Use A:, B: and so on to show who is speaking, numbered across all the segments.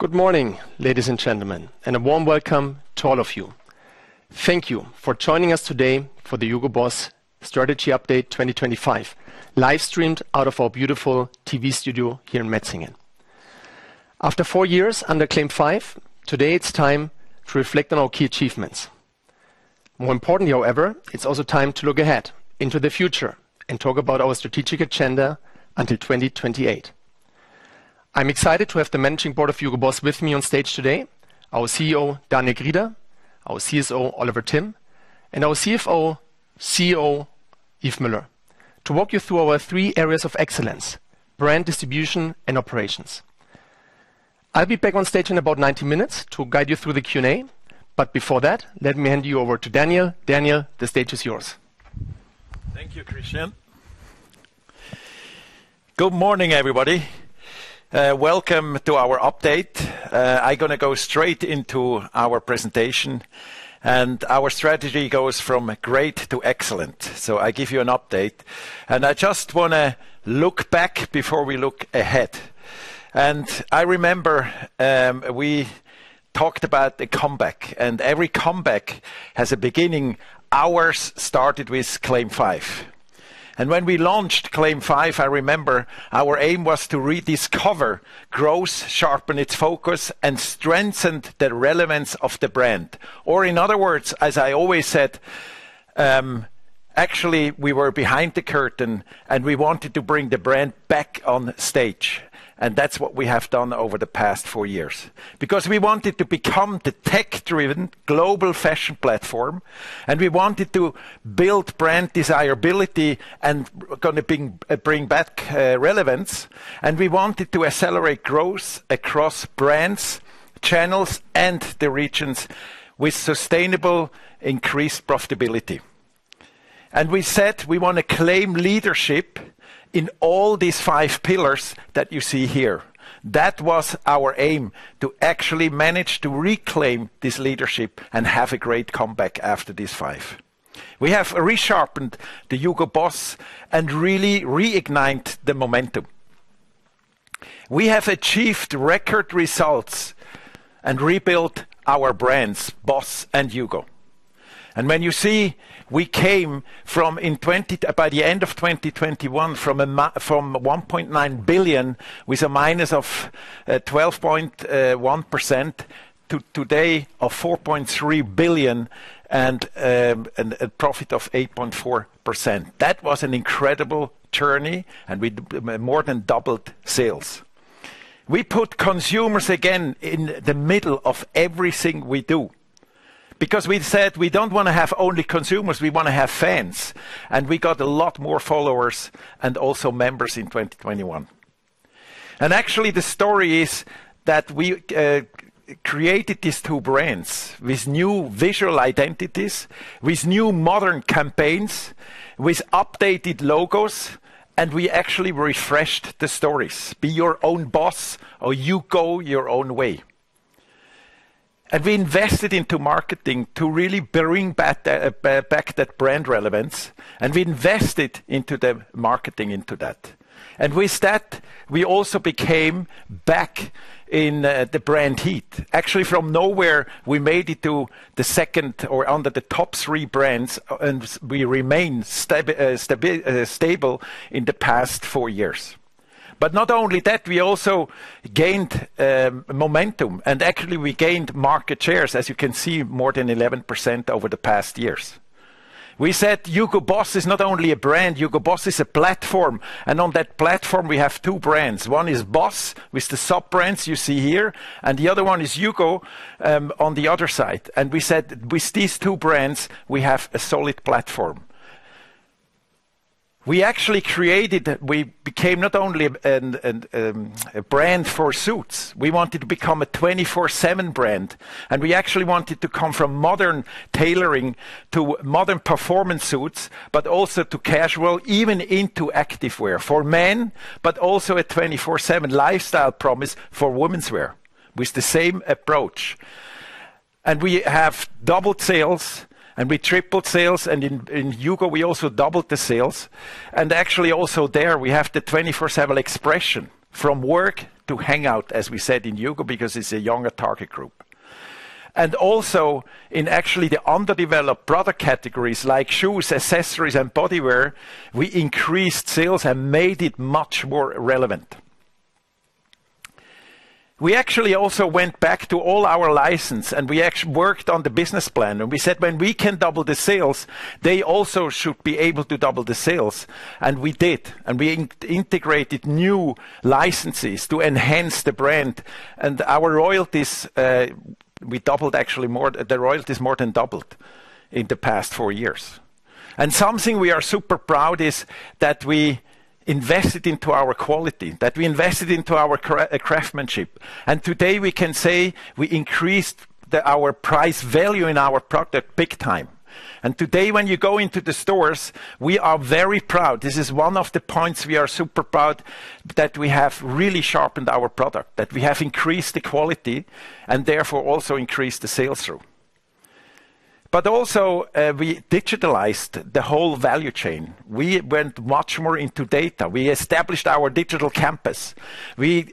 A: Good morning, ladies and gentlemen, and a warm welcome to all of you. Thank you for joining us today for the HUGO BOSS Strategy Update 2025, live-streamed out of our beautiful TV studio here in Metzingen. After four years under CLAIM 5, today it's time to reflect on our key achievements. More importantly, however, it's also time to look ahead into the future and talk about our strategic agenda until 2028. I'm excited to have the Managing Board of HUGO BOSS with me on stage today, our CEO, Daniel Grieder, our CSO, Oliver Timm, and our CFO and COO, Yves Müller, to walk you through our three areas of excellence: brand distribution and operations. I'll be back on stage in about 90 minutes to guide you through the Q&A, but before that, let me hand you over to Daniel. Daniel, the stage is yours.
B: Thank you, Christian. Good morning, everybody. Welcome to our update. I'm going to go straight into our presentation, and our strategy goes from great to excellent, so I give you an update, and I just want to look back before we look ahead, and I remember we talked about the comeback, and every comeback has a beginning. Ours started with CLAIM 5. And when we launched CLAIM 5, I remember our aim was to rediscover growth, sharpen its focus, and strengthen the relevance of the brand. Or in other words, as I always said, actually, we were behind the curtain and we wanted to bring the brand back on stage. And that's what we have done over the past four years. Because we wanted to become the tech-driven global fashion platform, and we wanted to build brand desirability and bring back relevance. And we wanted to accelerate growth across brands, channels, and the regions with sustainable increased profitability. And we said we want to claim leadership in all these five pillars that you see here. That was our aim to actually manage to reclaim this leadership and have a great comeback after these five. We have resharpened the HUGO BOSS and really reignited the momentum. We have achieved record results and rebuilt our brands, BOSS and HUGO. And when you see we came from, by the end of 2021, from 1.9 billion with a minus of 12.1% to today of 4.3 billion and a profit of 8.4%. That was an incredible journey, and we more than doubled sales. We put consumers again in the middle of everything we do. Because we said we don't want to have only consumers, we want to have fans. We got a lot more followers and also members in 2021. Actually, the story is that we created these two brands with new visual identities, with new modern campaigns, with updated logos, and we actually refreshed the stories. Be your own boss or you go your own way. We invested into marketing to really bring back that brand relevance, and we invested into the marketing into that. With that, we also became back in the brand heat. Actually, from nowhere, we made it to the second or under the top three brands, and we remain stable in the past four years. But not only that, we also gained momentum, and actually we gained market shares, as you can see, more than 11% over the past years. We said HUGO BOSS is not only a brand, HUGO BOSS is a platform, and on that platform we have two brands. One is BOSS with the sub-brands you see here, and the other one is HUGO on the other side. And we said with these two brands, we have a solid platform. We actually created, we became not only a brand for suits, we wanted to become a 24/7 brand, and we actually wanted to come from modern tailoring to modern performance suits, but also to casual, even into active wear for men, but also a 24/7 lifestyle promise for women's wear with the same approach. And we have doubled sales, and we tripled sales, and in HUGO, we also doubled the sales. And actually also there, we have the 24/7 expression from work to hang out, as we said in HUGO, because it's a younger target group. And also, in actually the underdeveloped product categories like shoes, accessories, and bodywear, we increased sales and made it much more relevant. We actually also went back to all our licenses, and we worked on the business plan, and we said when we can double the sales, they also should be able to double the sales. And we did, and we integrated new licenses to enhance the brand, and our royalties more than doubled in the past four years. And something we are super proud is that we invested into our quality, that we invested into our craftsmanship. And today we can say we increased our price value in our product big time. And today when you go into the stores, we are very proud. This is one of the points we are super proud that we have really sharpened our product, that we have increased the quality, and therefore also increased the sales through, but also we digitalized the whole value chain. We went much more into data. We established our digital campus. We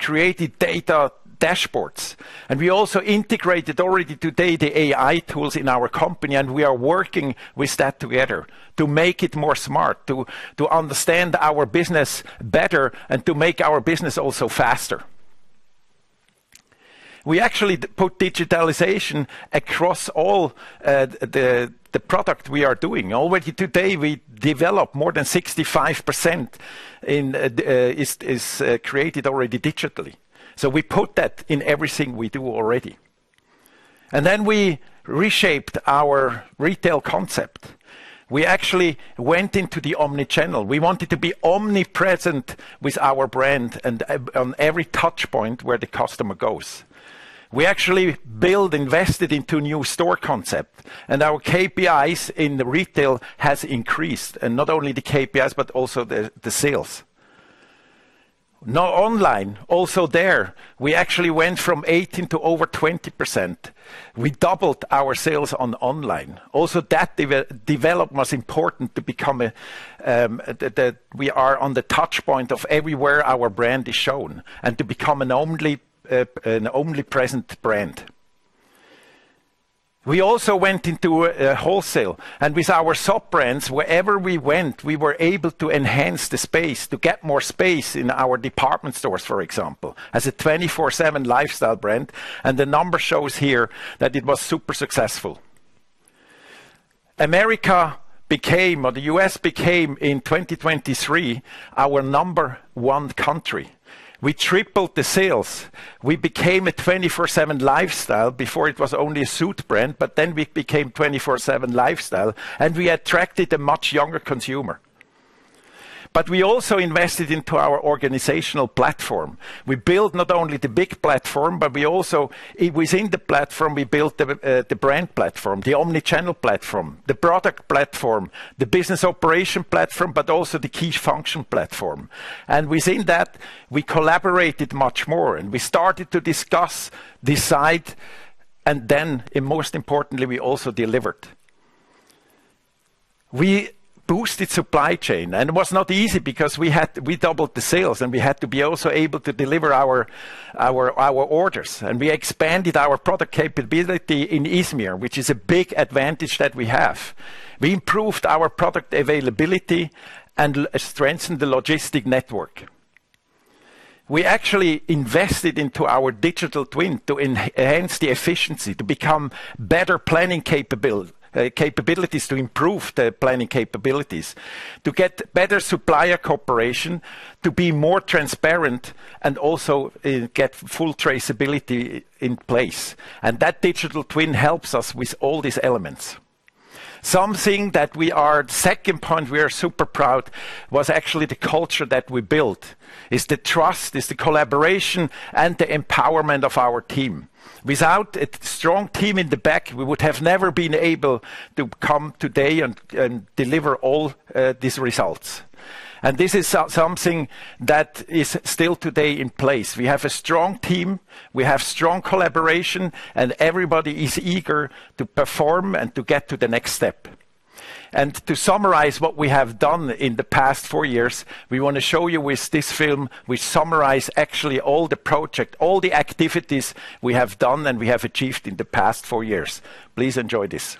B: created data dashboards, and we also integrated already today the AI tools in our company, and we are working with that together to make it more smart, to understand our business better, and to make our business also faster. We actually put digitalization across all the products we are doing. Already today we developed more than 65% is created already digitally, so we put that in everything we do already, and then we reshaped our retail concept. We actually went into the omnichannel. We wanted to be omnipresent with our brand and on every touchpoint where the customer goes. We actually built, invested into a new store concept, and our KPIs in retail have increased, and not only the KPIs, but also the sales. Now online, also there, we actually went from 18% to over 20%. We doubled our sales on online. Also that development was important to become that we are on the touchpoint of everywhere our brand is shown and to become an omnipresent brand. We also went into wholesale and with our sub-brands, wherever we went, we were able to enhance the space to get more space in our department stores, for example, as a 24/7 lifestyle brand. And the number shows here that it was super successful. America became, or the U.S. became in 2023 our number one country. We tripled the sales. We became a 24/7 Lifestyle before it was only a suit brand, but then we became 24/7 Lifestyle, and we attracted a much younger consumer, but we also invested into our organizational platform. We built not only the big platform, but we also, within the platform, we built the brand platform, the omnichannel platform, the product platform, the business operation platform, but also the key function platform, and within that, we collaborated much more, and we started to discuss, decide, and then most importantly, we also delivered. We boosted supply chain, and it was not easy because we doubled the sales and we had to be also able to deliver our orders, and we expanded our product capability in Izmir, which is a big advantage that we have. We improved our product availability and strengthened the logistic network. We actually invested into our Digital Twin to enhance the efficiency, to become better planning capabilities, to improve the planning capabilities, to get better supplier cooperation, to be more transparent, and also get full traceability in place. That Digital Twin helps us with all these elements. Something that we are, second point we are super proud of was actually the culture that we built, is the trust, is the collaboration, and the empowerment of our team. Without a strong team in the back, we would have never been able to come today and deliver all these results. This is something that is still today in place. We have a strong team, we have strong collaboration, and everybody is eager to perform and to get to the next step. And to summarize what we have done in the past four years, we want to show you with this film. We summarize actually all the project, all the activities we have done and we have achieved in the past four years. Please enjoy this.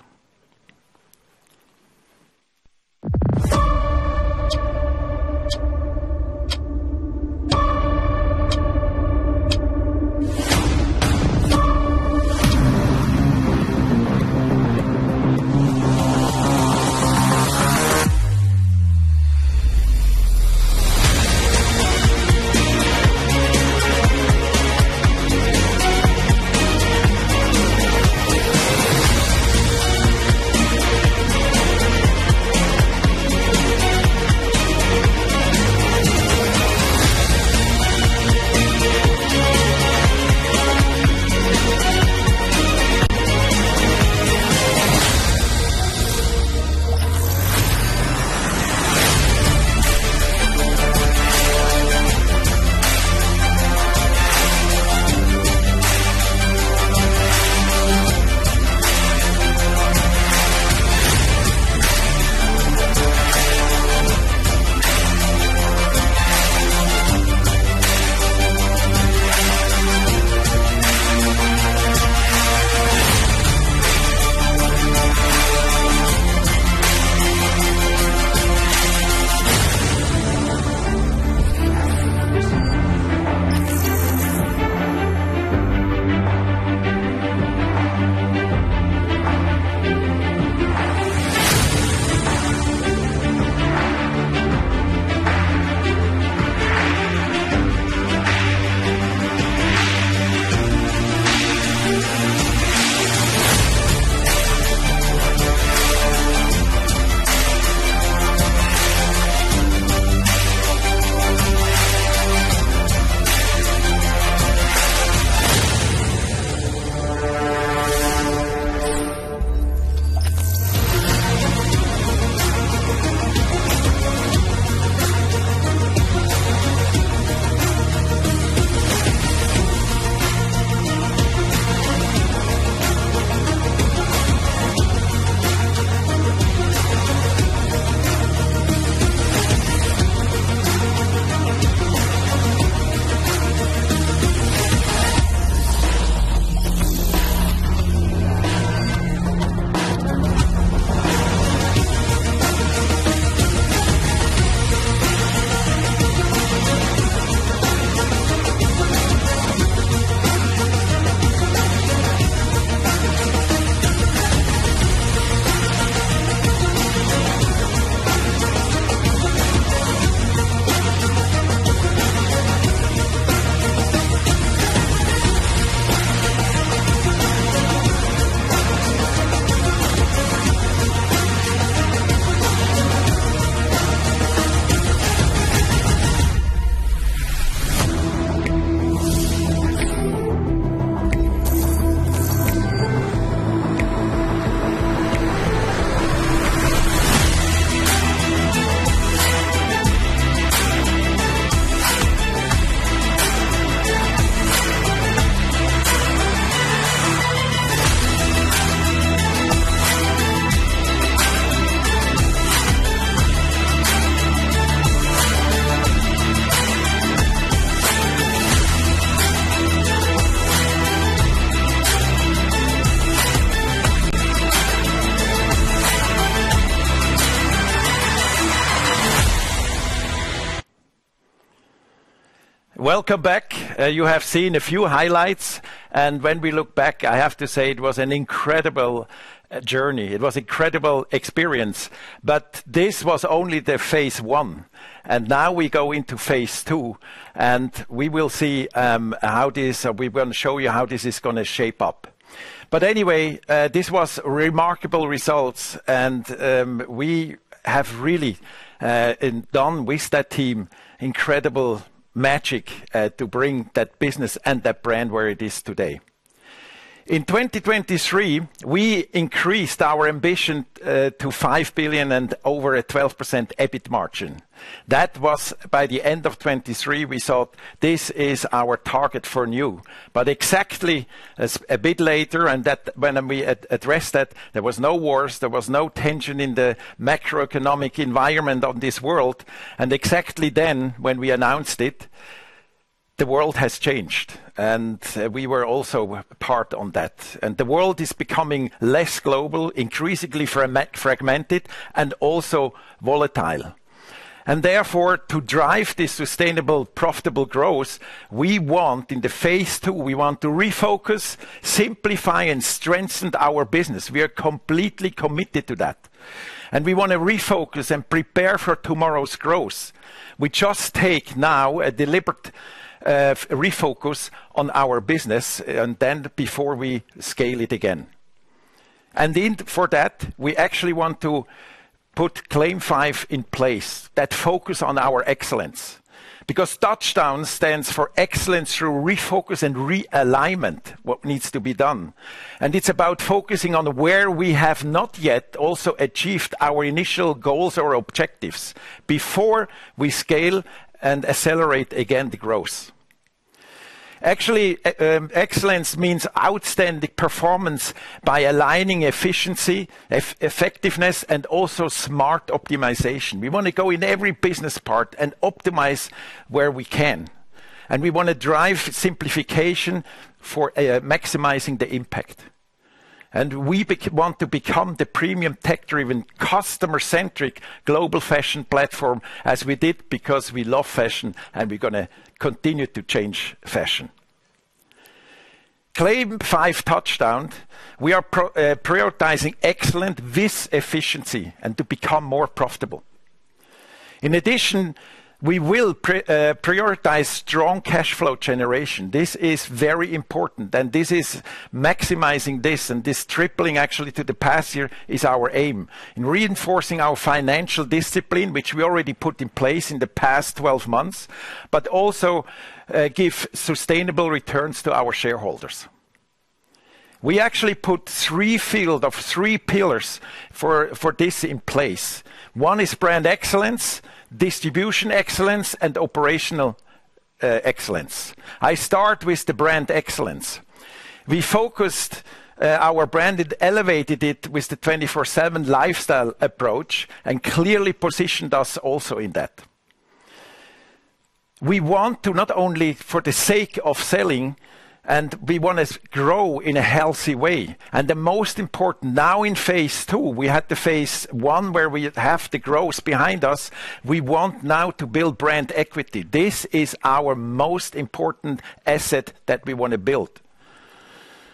B: Welcome back. You have seen a few highlights, and when we look back, I have to say it was an incredible journey. It was an incredible experience, but this was only the phase one. And now we go into phase two, and we will see how this. We're going to show you how this is going to shape up. But anyway, this was remarkable results, and we have really done with that team incredible magic to bring that business and that brand where it is today. In 2023, we increased our ambition to 5 billion and over a 12% EBIT margin. That was by the end of 2023, we thought this is our target for now, but exactly a bit later, and that when we addressed that, there was no wars, there was no tension in the macroeconomic environment of this world. And exactly then when we announced it, the world has changed, and we were also part of that. And the world is becoming less global, increasingly fragmented, and also volatile. And therefore, to drive this sustainable profitable growth, we want in phase two, we want to refocus, simplify, and strengthen our business. We are completely committed to that. And we want to refocus and prepare for tomorrow's growth. We just take now a deliberate refocus on our business, and then before we scale it again. And for that, we actually want to put CLAIM 5 in place that focuses on our excellence, because touchdown stands for excellence through refocus and realignment, what needs to be done. It's about focusing on where we have not yet also achieved our initial goals or objectives before we scale and accelerate again the growth. Actually, excellence means outstanding performance by aligning efficiency, effectiveness, and also smart optimization. We want to go in every business part and optimize where we can. We want to drive simplification for maximizing the impact. We want to become the premium tech-driven, customer-centric global fashion platform as we did, because we love fashion and we're going to continue to change CLAIM 5 TOUCHDOWN, we are prioritizing excellence with efficiency and to become more profitable. In addition, we will prioritize strong cash flow generation. This is very important, and this is maximizing this, and this tripling actually to the past year is our aim in reinforcing our financial discipline, which we already put in place in the past 12 months, but also give sustainable returns to our shareholders. We actually put three pillars for this in place. One is Brand Excellence, Distribution Excellence, and Operational Excellence. I start with the brand excellence. We focused our brand and elevated it with the 24/7 Lifestyle approach and clearly positioned us also in that. We want to not only for the sake of selling, and we want to grow in a healthy way, and the most important now in phase two, we had the phase one where we have the growth behind us. We want now to build brand equity. This is our most important asset that we want to build.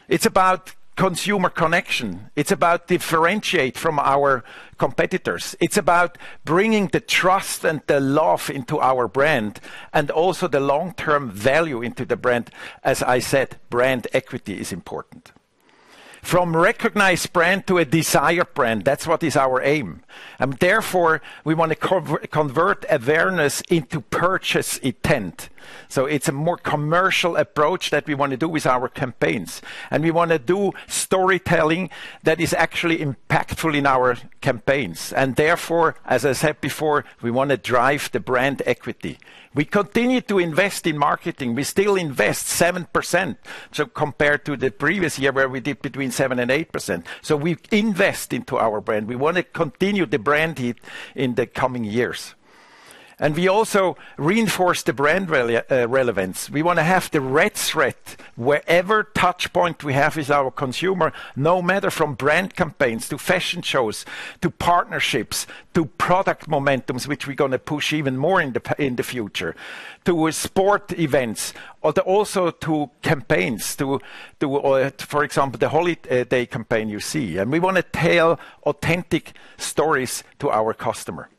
B: It's about consumer connection. It's about differentiating from our competitors. It's about bringing the trust and the love into our brand and also the long-term value into the brand. As I said, brand equity is important. From recognized brand to a desired brand, that's what is our aim. And therefore, we want to convert awareness into purchase intent. So it's a more commercial approach that we want to do with our campaigns. And we want to do storytelling that is actually impactful in our campaigns. And therefore, as I said before, we want to drive the brand equity. We continue to invest in marketing. We still invest 7% compared to the previous year where we did between 7% and 8%. So we invest into our brand. We want to continue the brand in the coming years. And we also reinforce the Brand Relevance. We want to have the red thread whatever touchpoint we have with our consumer, no matter from brand campaigns to fashion shows to partnerships to product momentum, which we're going to push even more in the future to sport events, but also to campaigns, to, for example, the holiday campaign you see. We want to tell authentic stories to our customer.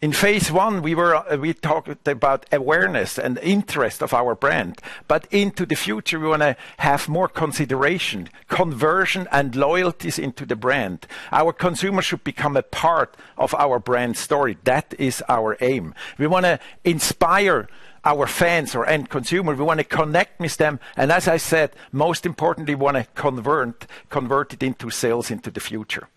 B: In phase I, we talked about awareness and interest of our brand, but into the future, we want to have more consideration, conversion, and loyalty into the brand. Our consumer should become a part of our brand story. That is our aim. We want to inspire our fans or end consumer. We want to connect with them. As I said, most importantly, we want to convert it into sales into the future.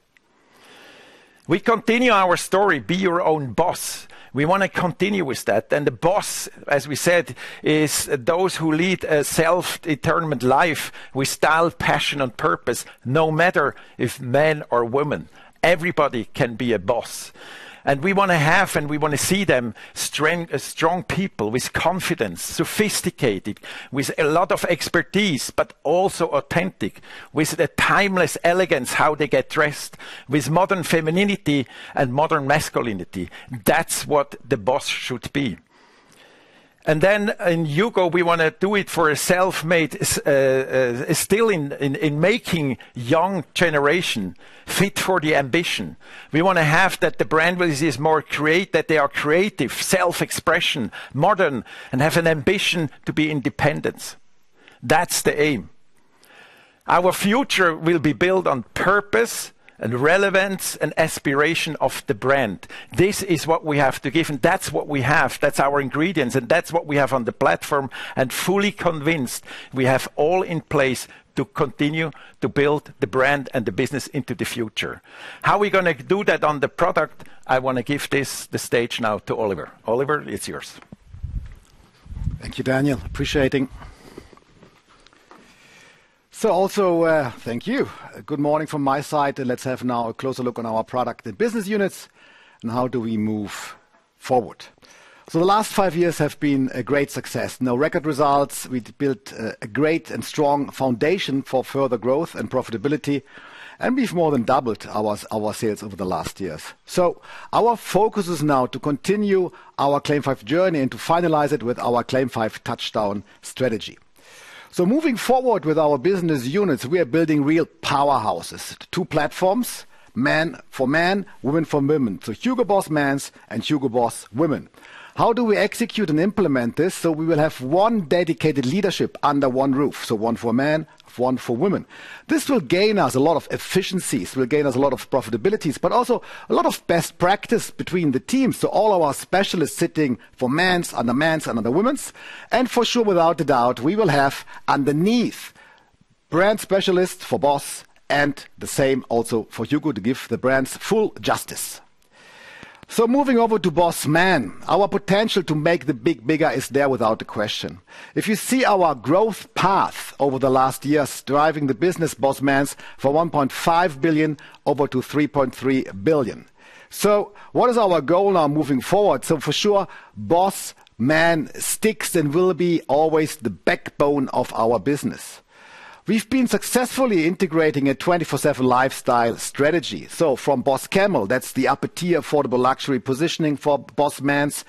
B: We continue our story, Be Your Own BOSS. We want to continue with that. And the BOSS, as we said, is those who lead a self-determined life with style, passion, and purpose, no matter if men or women. Everybody can be a boss. And we want to have, and we want to see them strong people with confidence, sophisticated, with a lot of expertise, but also authentic, with a timeless elegance, how they get dressed with modern femininity and modern masculinity. That's what the boss should be. And then in HUGO, we want to do it for a self-made, still in making young generation fit for the ambition. We want to have that the brand is more creative, that they are creative, self-expression, modern, and have an ambition to be independent. That's the aim. Our future will be built on purpose and relevance and aspiration of the brand. This is what we have to give, and that's what we have. That's our ingredients, and that's what we have on the platform. And fully convinced, we have all in place to continue to build the brand and the business into the future. How are we going to do that on the product? I want to give this the stage now to Oliver. Oliver, it's yours.
C: Thank you, Daniel. Appreciating. So also, thank you. Good morning from my side. And let's have now a closer look on our product and business units and how do we move forward. So the last five years have been a great success. New record results. We built a great and strong foundation for further growth and profitability, and we've more than doubled our sales over the last years. So our focus is now to continue our CLAIM 5 journey and to finalize it with CLAIM 5 TOUCHDOWN strategy. So moving forward with our business units, we are building real powerhouses, two platforms, men for men, women for women. So HUGO BOSS Men's and HUGO BOSS Women's. How do we execute and implement this? So we will have one dedicated leadership under one roof, so one for men, one for women. This will gain us a lot of efficiencies, will gain us a lot of profitabilities, but also a lot of best practice between the teams. So all of our specialists sitting for men's, under men's, and under women's. And for sure, without a doubt, we will have underneath brand specialists for BOSS and the same also for HUGO to give the brands full justice. So moving over to BOSS Men, our potential to make the big bigger is there without a question. If you see our growth path over the last years, driving the business BOSS Men's from 1.5 billion to 3.3 billion. What is our goal now moving forward? For sure, BOSS Men sticks and will be always the backbone of our business. We've been successfully integrating a 24/7 lifestyle strategy. From BOSS Camel, that's the upper tier, affordable luxury positioning for BOSS Men's,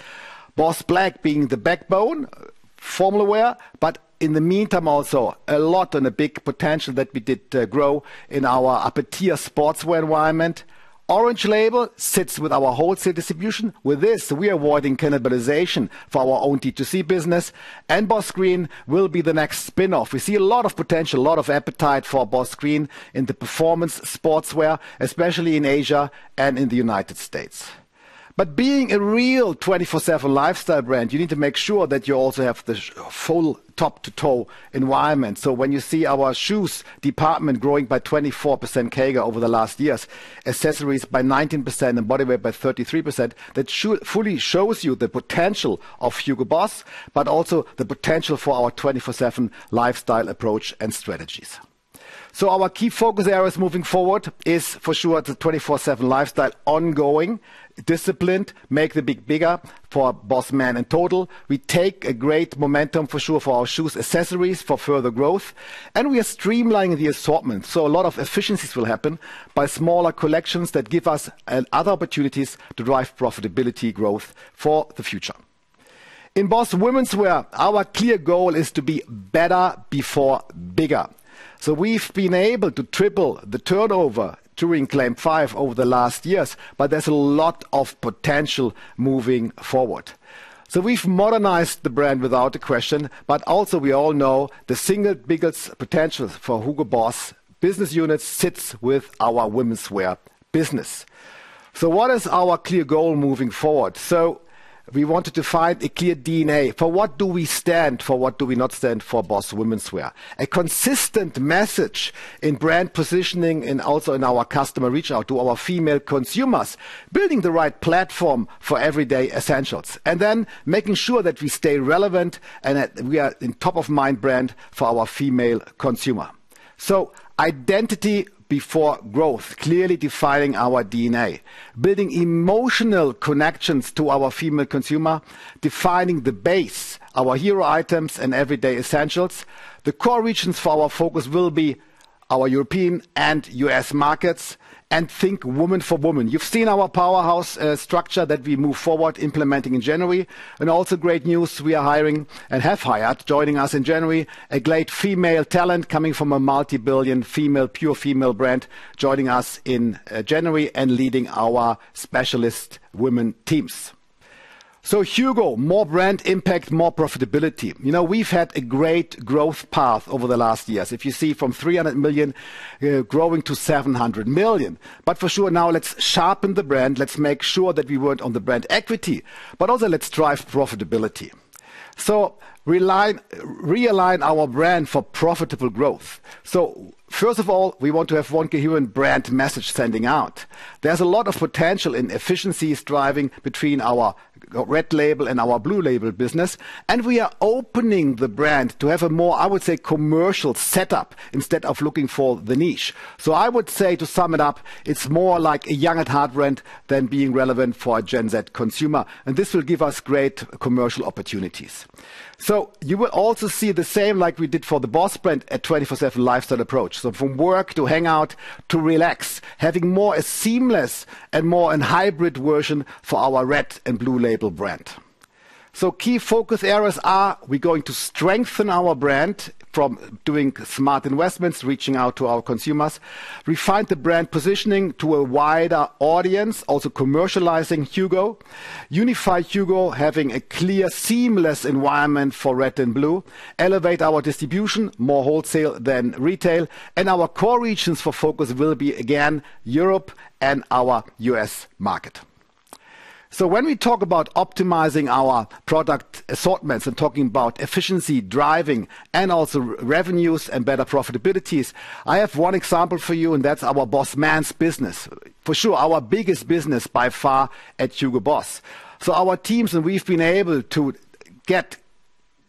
C: BOSS Black being the backbone, formal wear, but in the meantime, also a lot on a big potential that we did grow in our upper tier sportswear environment. BOSS Orange label sits with our wholesale distribution. With this, we are avoiding cannibalization for our own D2C business. BOSS Green will be the next spinoff. We see a lot of potential, a lot of appetite for BOSS Green in the performance sportswear, especially in Asia and in the United States. But being a real 24/7 lifestyle brand, you need to make sure that you also have the full top to toe environment. So when you see our shoes department growing by 24% CAGR over the last years, accessories by 19%, and bodywear by 33%, that fully shows you the potential of HUGO BOSS, but also the potential for our 24/7 lifestyle approach and strategies. So our key focus areas moving forward is for sure the 24/7 lifestyle, ongoing, disciplined, make the big bigger for BOSS Men in total. We take a great momentum for sure for our shoes, accessories for further growth, and we are streamlining the assortment. So a lot of efficiencies will happen by smaller collections that give us other opportunities to drive profitability growth for the future. In BOSS women's wear, our clear goal is to be better before bigger. We've been able to triple the turnover during CLAIM 5 over the last years, but there's a lot of potential moving forward. We've modernized the brand without a question, but also we all know the single biggest potential for HUGO BOSS business units sits with our women's wear business. What is our clear goal moving forward? We wanted to find a clear DNA for what do we stand for, what do we not stand for BOSS women's wear. A consistent message in brand positioning and also in our customer reach out to our female consumers, building the right platform for everyday essentials, and then making sure that we stay relevant and that we are in top of mind brand for our female consumer. Identity before growth, clearly defining our DNA, building emotional connections to our female consumer, defining the base, our hero items and everyday essentials. The core regions for our focus will be our European and U.S. markets and think women for women. You've seen our powerhouse structure that we move forward implementing in January. Also great news, we are hiring and have hired, joining us in January, a great female talent coming from a multi-billion female, pure female brand, joining us in January and leading our specialist women teams. HUGO, more brand impact, more profitability. You know, we've had a great growth path over the last years. If you see from 300 million growing to 700 million. But for sure now let's sharpen the brand. Let's make sure that we work on the brand equity, but also let's drive profitability. Realign our brand for profitable growth. So, first of all, we want to have one coherent brand message sending out. There's a lot of potential in efficiencies driving between our red label and our blue label business. And we are opening the brand to have a more, I would say, commercial setup instead of looking for the niche. So I would say to sum it up, it's more like a young at heart brand than being relevant for a Gen Z consumer. And this will give us great commercial opportunities. So you will also see the same like we did for the BOSS brand at 24/7 lifestyle approach. So from work to hang out to relax, having more a seamless and more a hybrid version for our red and blue label brand. So key focus areas are, we're going to strengthen our brand from doing smart investments, reaching out to our consumers, refine the brand positioning to a wider audience, also commercializing HUGO, unify HUGO having a clear seamless environment for red and blue, elevate our distribution, more wholesale than retail, and our core regions for focus will be again Europe and our U.S. market. So when we talk about optimizing our product assortments and talking about efficiency driving and also revenues and better profitabilities, I have one example for you, and that's our BOSS Men's business. For sure, our biggest business by far at HUGO BOSS. So our teams and we've been able to get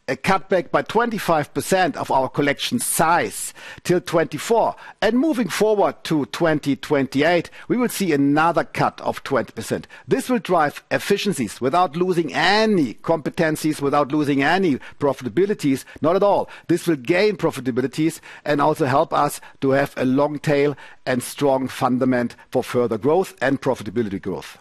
C: a cutback by 25% of our collection size till 2024. And moving forward to 2028, we will see another cut of 20%. This will drive efficiencies without losing any competencies, without losing any profitabilities, not at all. This will gain profitabilities and also help us to have a long tail and strong foundation for further growth and profitability growth.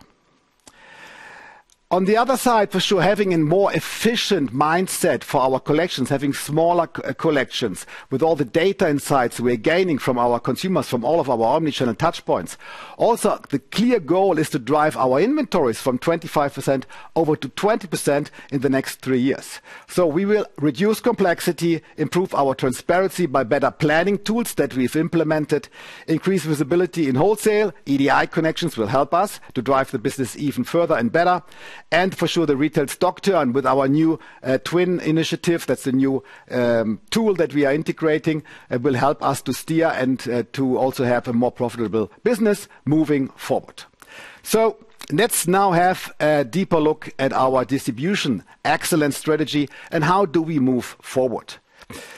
C: On the other side, for sure, having a more efficient mindset for our collections, having smaller collections with all the data insights we're gaining from our consumers, from all of our omnichannel touchpoints. Also, the clear goal is to drive our inventories from 25% over to 20% in the next three years. So we will reduce complexity, improve our transparency by better planning tools that we've implemented, increase visibility in wholesale. EDI connections will help us to drive the business even further and better. And for sure, the retail stock turn with our new Twin initiative, that's the new tool that we are integrating, will help us to steer and to also have a more profitable business moving forward. So let's now have a deeper look at our distribution excellence strategy and how do we move forward.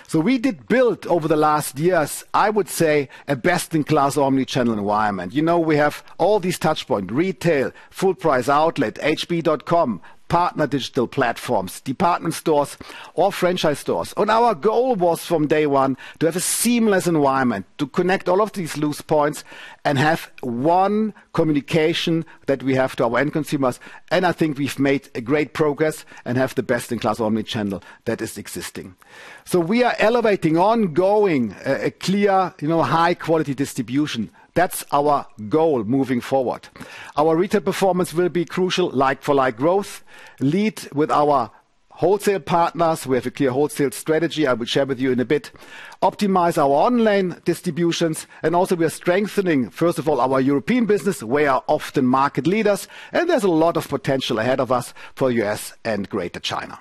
C: So we did build over the last years, I would say, a best-in-class omnichannel environment. You know, we have all these touchpoints, retail, full-price outlet, HB.com, partner digital platforms, department stores, or franchise stores. And our goal was from day one to have a seamless environment to connect all of these touchpoints and have one communication that we have to our end consumers. And I think we've made great progress and have the best-in-class omnichannel that is existing. So we are elevating ongoing a clear, high-quality distribution. That's our goal moving forward. Our retail performance will be crucial, like-for-like growth, lead with our wholesale partners. We have a clear wholesale strategy. I will share with you in a bit, optimize our online distribution, and also we are strengthening, first of all, our European business. We are often market leaders, and there's a lot of potential ahead of us for the U.S. and Greater China.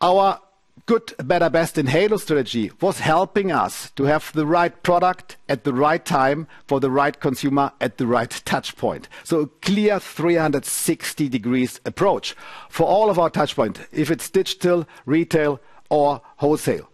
C: Our Good, Better, Best, and Halo strategy was helping us to have the right product at the right time for the right consumer at the right touchpoint. So a clear 360-degree approach for all of our touchpoints, if it's digital, retail, or wholesale.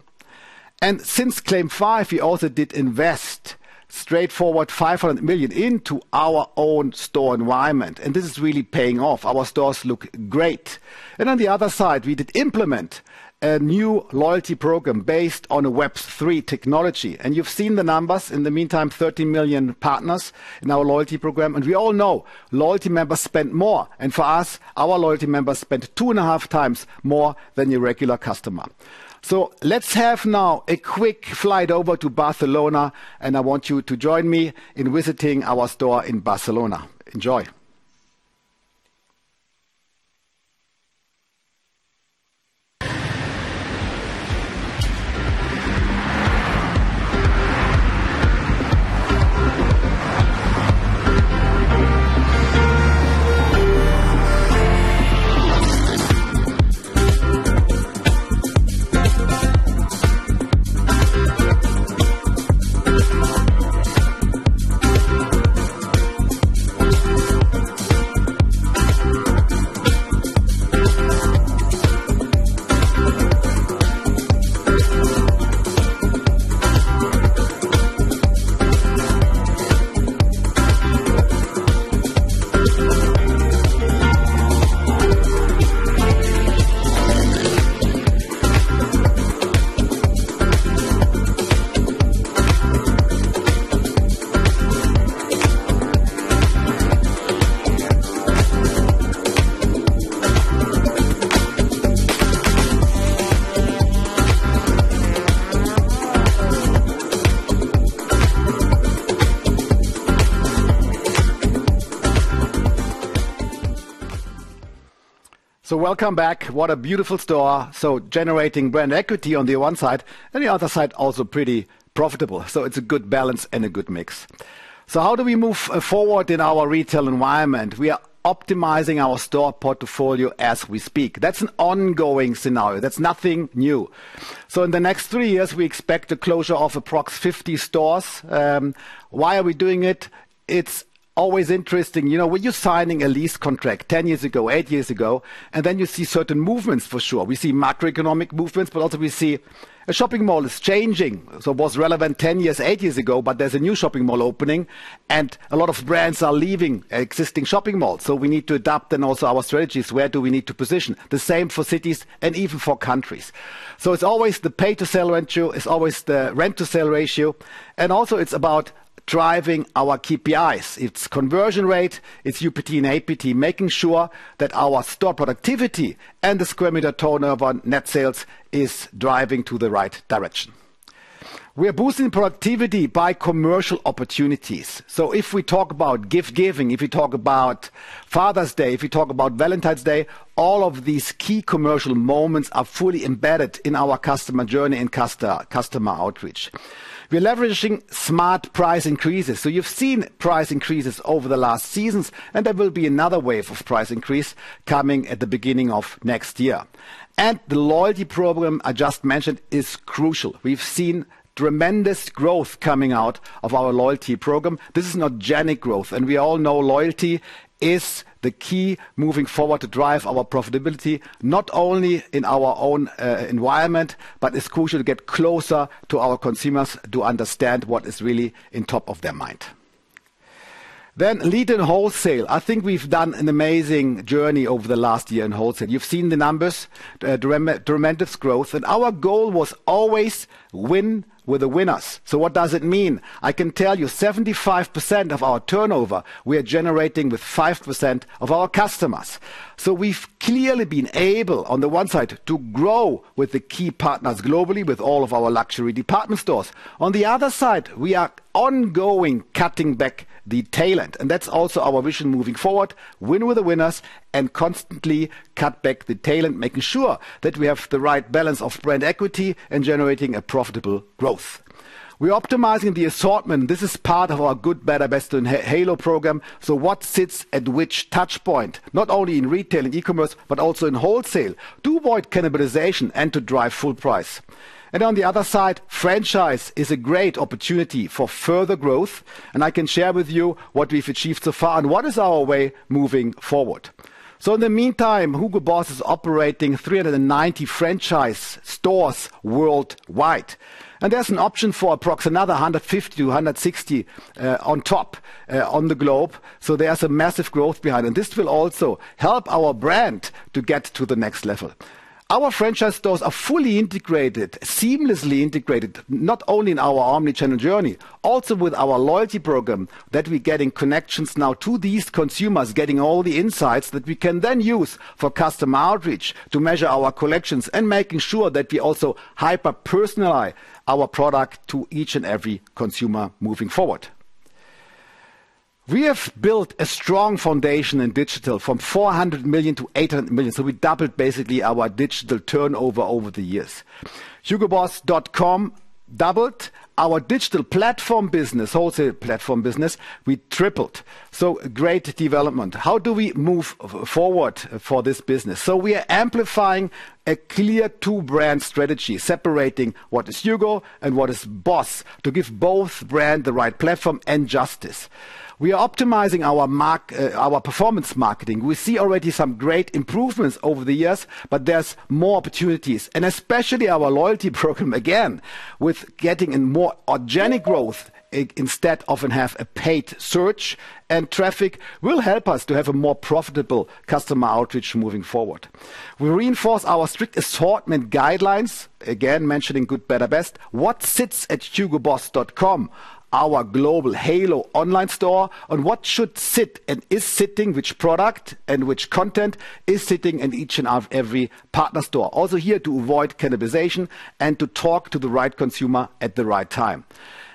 C: And since CLAIM 5, we also did invest straightforward 500 million into our own store environment. And this is really paying off. Our stores look great. And on the other side, we did implement a new loyalty program based on a Web3 technology. And you've seen the numbers in the meantime, 30 million partners in our loyalty program. And we all know loyalty members spend more. And for us, our loyalty members spent two and a half times more than your regular customer. So let's have now a quick flight over to Barcelona, and I want you to join me in visiting our store in Barcelona. Enjoy. So welcome back. What a beautiful store. So generating brand equity on the one side and the other side, also pretty profitable. So it's a good balance and a good mix. So how do we move forward in our retail environment? We are optimizing our store portfolio as we speak. That's an ongoing scenario. That's nothing new. So in the next three years, we expect the closure of approximately 50 stores. Why are we doing it? It's always interesting. You know, when you're signing a lease contract 10 years ago, eight years ago, and then you see certain movements, for sure. We see macroeconomic movements, but also we see a shopping mall is changing. So it was relevant 10 years, eight years ago, but there's a new shopping mall opening and a lot of brands are leaving existing shopping malls. So we need to adapt and also our strategies, where do we need to position? The same for cities and even for countries. So it's always the rent-to-sales ratio, it's always the rent-to-sales ratio. And also it's about driving our KPIs. It's conversion rate, it's UPT and APT, making sure that our store productivity and the square meter turnover net sales is driving to the right direction. We're boosting productivity by commercial opportunities. So if we talk about gift giving, if we talk about Father's Day, if we talk about Valentine's Day, all of these key commercial moments are fully embedded in our customer journey and customer outreach. We're leveraging smart price increases. So you've seen price increases over the last seasons, and there will be another wave of price increase coming at the beginning of next year. And the loyalty program I just mentioned is crucial. We've seen tremendous growth coming out of our Loyalty program. This is not generic growth. And we all know loyalty is the key moving forward to drive our profitability, not only in our own environment, but it's crucial to get closer to our consumers to understand what is really at the top of their mind. Then lead in wholesale. I think we've done an amazing journey over the last year in wholesale. You've seen the numbers, tremendous growth. And our goal was always win with the winners. So what does it mean? I can tell you 75% of our turnover we are generating with 5% of our customers. So we've clearly been able on the one side to grow with the key partners globally with all of our luxury department stores. On the other side, we are ongoing cutting back the tail end. That's also our vision moving forward, win with the winners and constantly cut back the tail end, making sure that we have the right balance of brand equity and generating a profitable growth. We're optimizing the assortment. This is part of our good, better, best, and Halo program. So what sits at which touchpoint, not only in retail and e-commerce, but also in wholesale to avoid cannibalization and to drive full price. Franchise is a great opportunity for further growth. I can share with you what we've achieved so far and what is our way moving forward. In the meantime, HUGO BOSS is operating 390 franchise stores worldwide. There's an option for approximately another 150 to 160 on top on the globe. There's a massive growth behind. This will also help our brand to get to the next level. Our franchise stores are fully integrated, seamlessly integrated, not only in our omnichannel journey, also with our loyalty program that we're getting connections now to these consumers, getting all the insights that we can then use for customer outreach to measure our collections and making sure that we also hyper-personalize our product to each and every consumer moving forward. We have built a strong foundation in digital from 400 million to 800 million. So we doubled basically our digital turnover over the years. Hugoboss.com doubled. Our digital platform business, wholesale platform business, we tripled. So great development. How do we move forward for this business? So we are amplifying a clear two-brand strategy, separating what is HUGO and what is BOSS to give both brands the right platform and justice. We are optimizing our performance marketing. We see already some great improvements over the years, but there's more opportunities. And especially our Loyalty program, again, with getting in more organic growth instead of have a paid search and traffic will help us to have a more profitable customer outreach moving forward. We reinforce our strict assortment guidelines, again mentioning good, better, best. What sits at hugoboss.com, our global Halo online store, and what should sit and is sitting, which product and which content is sitting in each and every partner store. Also here to avoid cannibalization and to talk to the right consumer at the right time.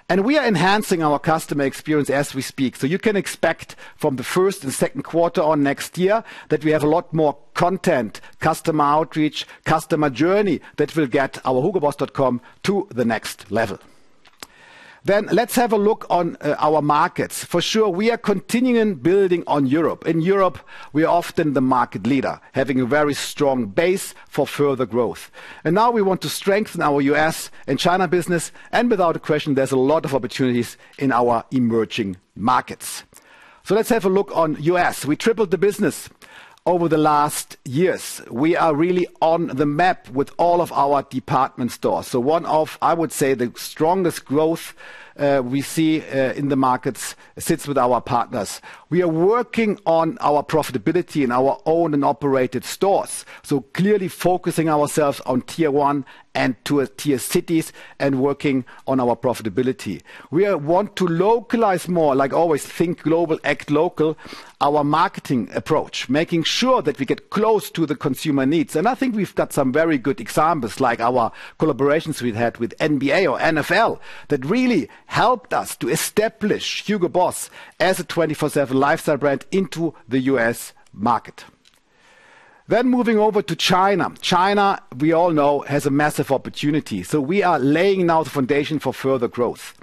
C: And we are enhancing our customer experience as we speak. So you can expect from the first and second quarter on next year that we have a lot more content, customer outreach, customer journey that will get our hugoboss.com to the next level. Then let's have a look on our markets. For sure, we are continuing building on Europe. In Europe, we are often the market leader, having a very strong base for further growth, and now we want to strengthen our U.S. and China business, and without question, there's a lot of opportunities in our emerging markets. So let's have a look at the U.S. We tripled the business over the last years. We are really on the map with all of our department stores. So one of, I would say, the strongest growth we see in the markets sits with our partners. We are working on our profitability in our own and operated stores. So clearly focusing ourselves on tier one and tier two cities and working on our profitability. We want to localize more, like always think global, act local, our marketing approach, making sure that we get close to the consumer needs. And I think we've got some very good examples like our collaborations we've had with NBA or NFL that really helped us to establish HUGO BOSS as a 24/7 lifestyle brand into the U.S. market. Then moving over to China. China, we all know, has a massive opportunity. So we are laying now the foundation for further growth.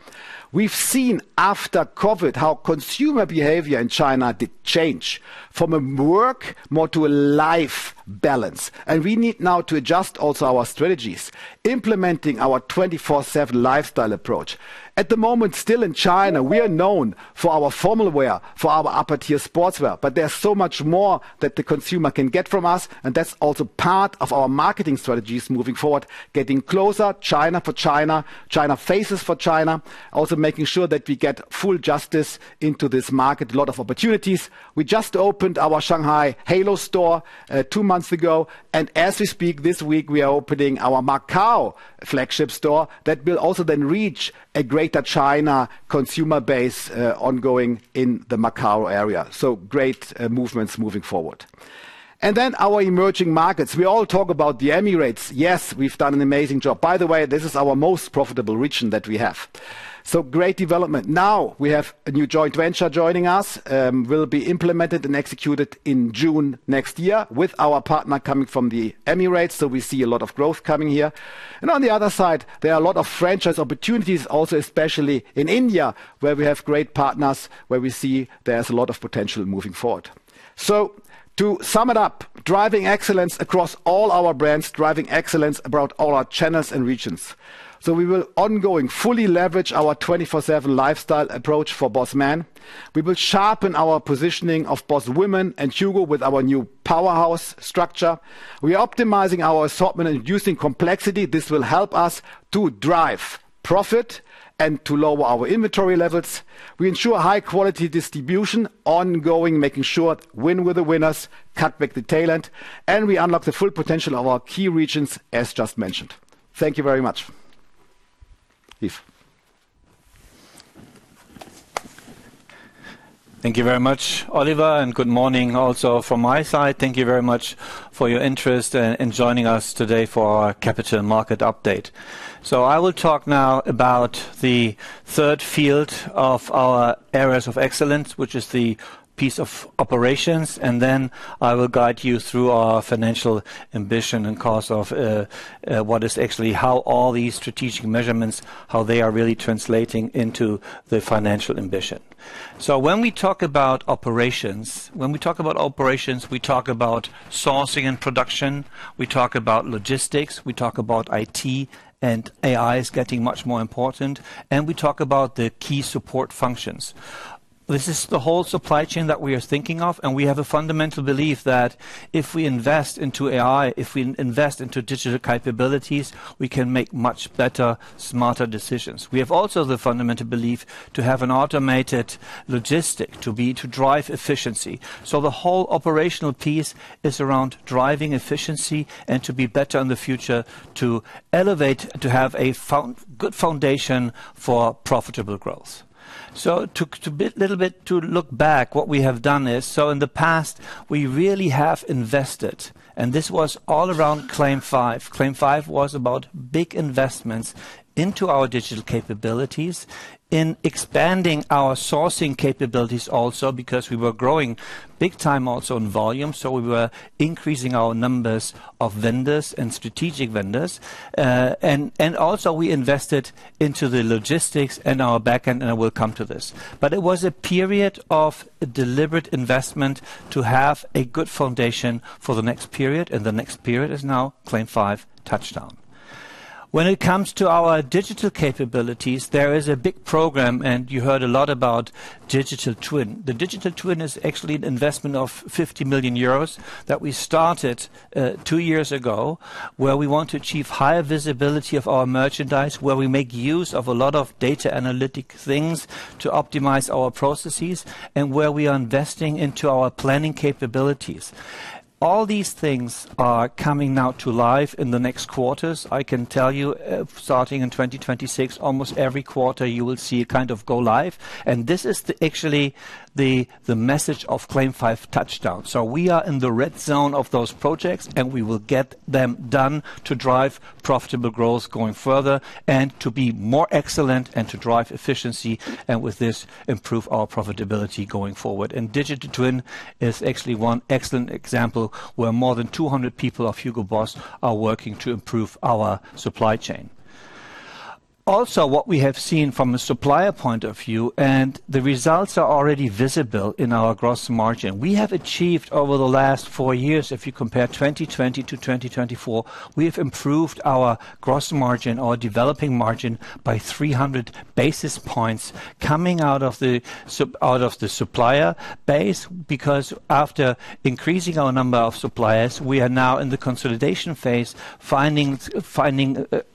C: We've seen after COVID how consumer behavior in China did change from a work more to a life balance. And we need now to adjust also our strategies, implementing our 24/7 lifestyle approach. At the moment, still in China, we are known for our formal wear, for our upper tier sportswear, but there's so much more that the consumer can get from us. That's also part of our marketing strategies moving forward, getting closer to China for China, China faces for China, also making sure that we get full justice into this market, a lot of opportunities. We just opened our Shanghai Halo store two months ago. As we speak this week, we are opening our Macao Flagship Store that will also then reach a Greater China consumer base ongoing in the Macao area. Great movements moving forward. Then our emerging markets, we all talk about the Emirates. Yes, we've done an amazing job. By the way, this is our most profitable region that we have. Great development. Now we have a new joint venture joining us. It will be implemented and executed in June next year with our partner coming from the Emirates. We see a lot of growth coming here. And on the other side, there are a lot of franchise opportunities also, especially in India, where we have great partners where we see there's a lot of potential moving forward. So to sum it up, driving excellence across all our brands, driving excellence about all our channels and regions. So we will ongoing fully leverage our 24/7 lifestyle approach for BOSS Men. We will sharpen our positioning of BOSS Women and HUGO with our new powerhouse structure. We are optimizing our assortment and using complexity. This will help us to drive profit and to lower our inventory levels. We ensure high quality distribution ongoing, making sure win with the winners, cut back the tail end, and we unlock the full potential of our key regions, as just mentioned. Thank you very much,
B: Yves.
D: Thank you very much, Oliver, and good morning also from my side. Thank you very much for your interest and joining us today for our capital market update. I will talk now about the third field of our areas of excellence, which is the piece of operations. Then I will guide you through our financial ambition and, of course, what is actually how all these strategic measurements, how they are really translating into the financial ambition. When we talk about operations, we talk about sourcing and production. We talk about logistics, we talk about IT and AI is getting much more important, and we talk about the key support functions. This is the whole supply chain that we are thinking of. We have a fundamental belief that if we invest into AI, if we invest into digital capabilities, we can make much better, smarter decisions. We have also the fundamental belief to have an automated logistics to be to drive efficiency. So the whole operational piece is around driving efficiency and to be better in the future, to elevate, to have a good foundation for profitable growth. So to a little bit to look back, what we have done is so in the past, we really have invested, and this was all around CLAIM 5. CLAIM 5 was about big investments into our digital capabilities, in expanding our sourcing capabilities also because we were growing big time also in volume. So we were increasing our numbers of vendors and strategic vendors. And also we invested into the logistics and our backend, and I will come to this. But it was a period of deliberate investment to have a good foundation for the next period. And the next period is now CLAIM 5 TOUCHDOWN. When it comes to our digital capabilities, there is a big program, and you heard a lot Digital Twin. The Digital Twin is actually an investment of 50 million euros that we started two years ago, where we want to achieve higher visibility of our merchandise, where we make use of a lot of data analytic things to optimize our processes, and where we are investing into our planning capabilities. All these things are coming now to life in the next quarters. I can tell you starting in 2026, almost every quarter you will see it kind of go live. And this is actually the message CLAIM 5 TOUCHDOWN. so we are in the red zone of those projects, and we will get them done to drive profitable growth going further and to be more excellent and to drive efficiency and with this improve our profitability going forward. Digital Twin is actually one excellent example where more than 200 people of HUGO BOSS are working to improve our supply chain. Also, what we have seen from a supplier point of view, and the results are already visible in our gross margin. We have achieved over the last four years, if you compare 2020 to 2024, we have improved our gross margin development by 300 basis points coming out of the supplier base because after increasing our number of suppliers, we are now in the consolidation phase, finding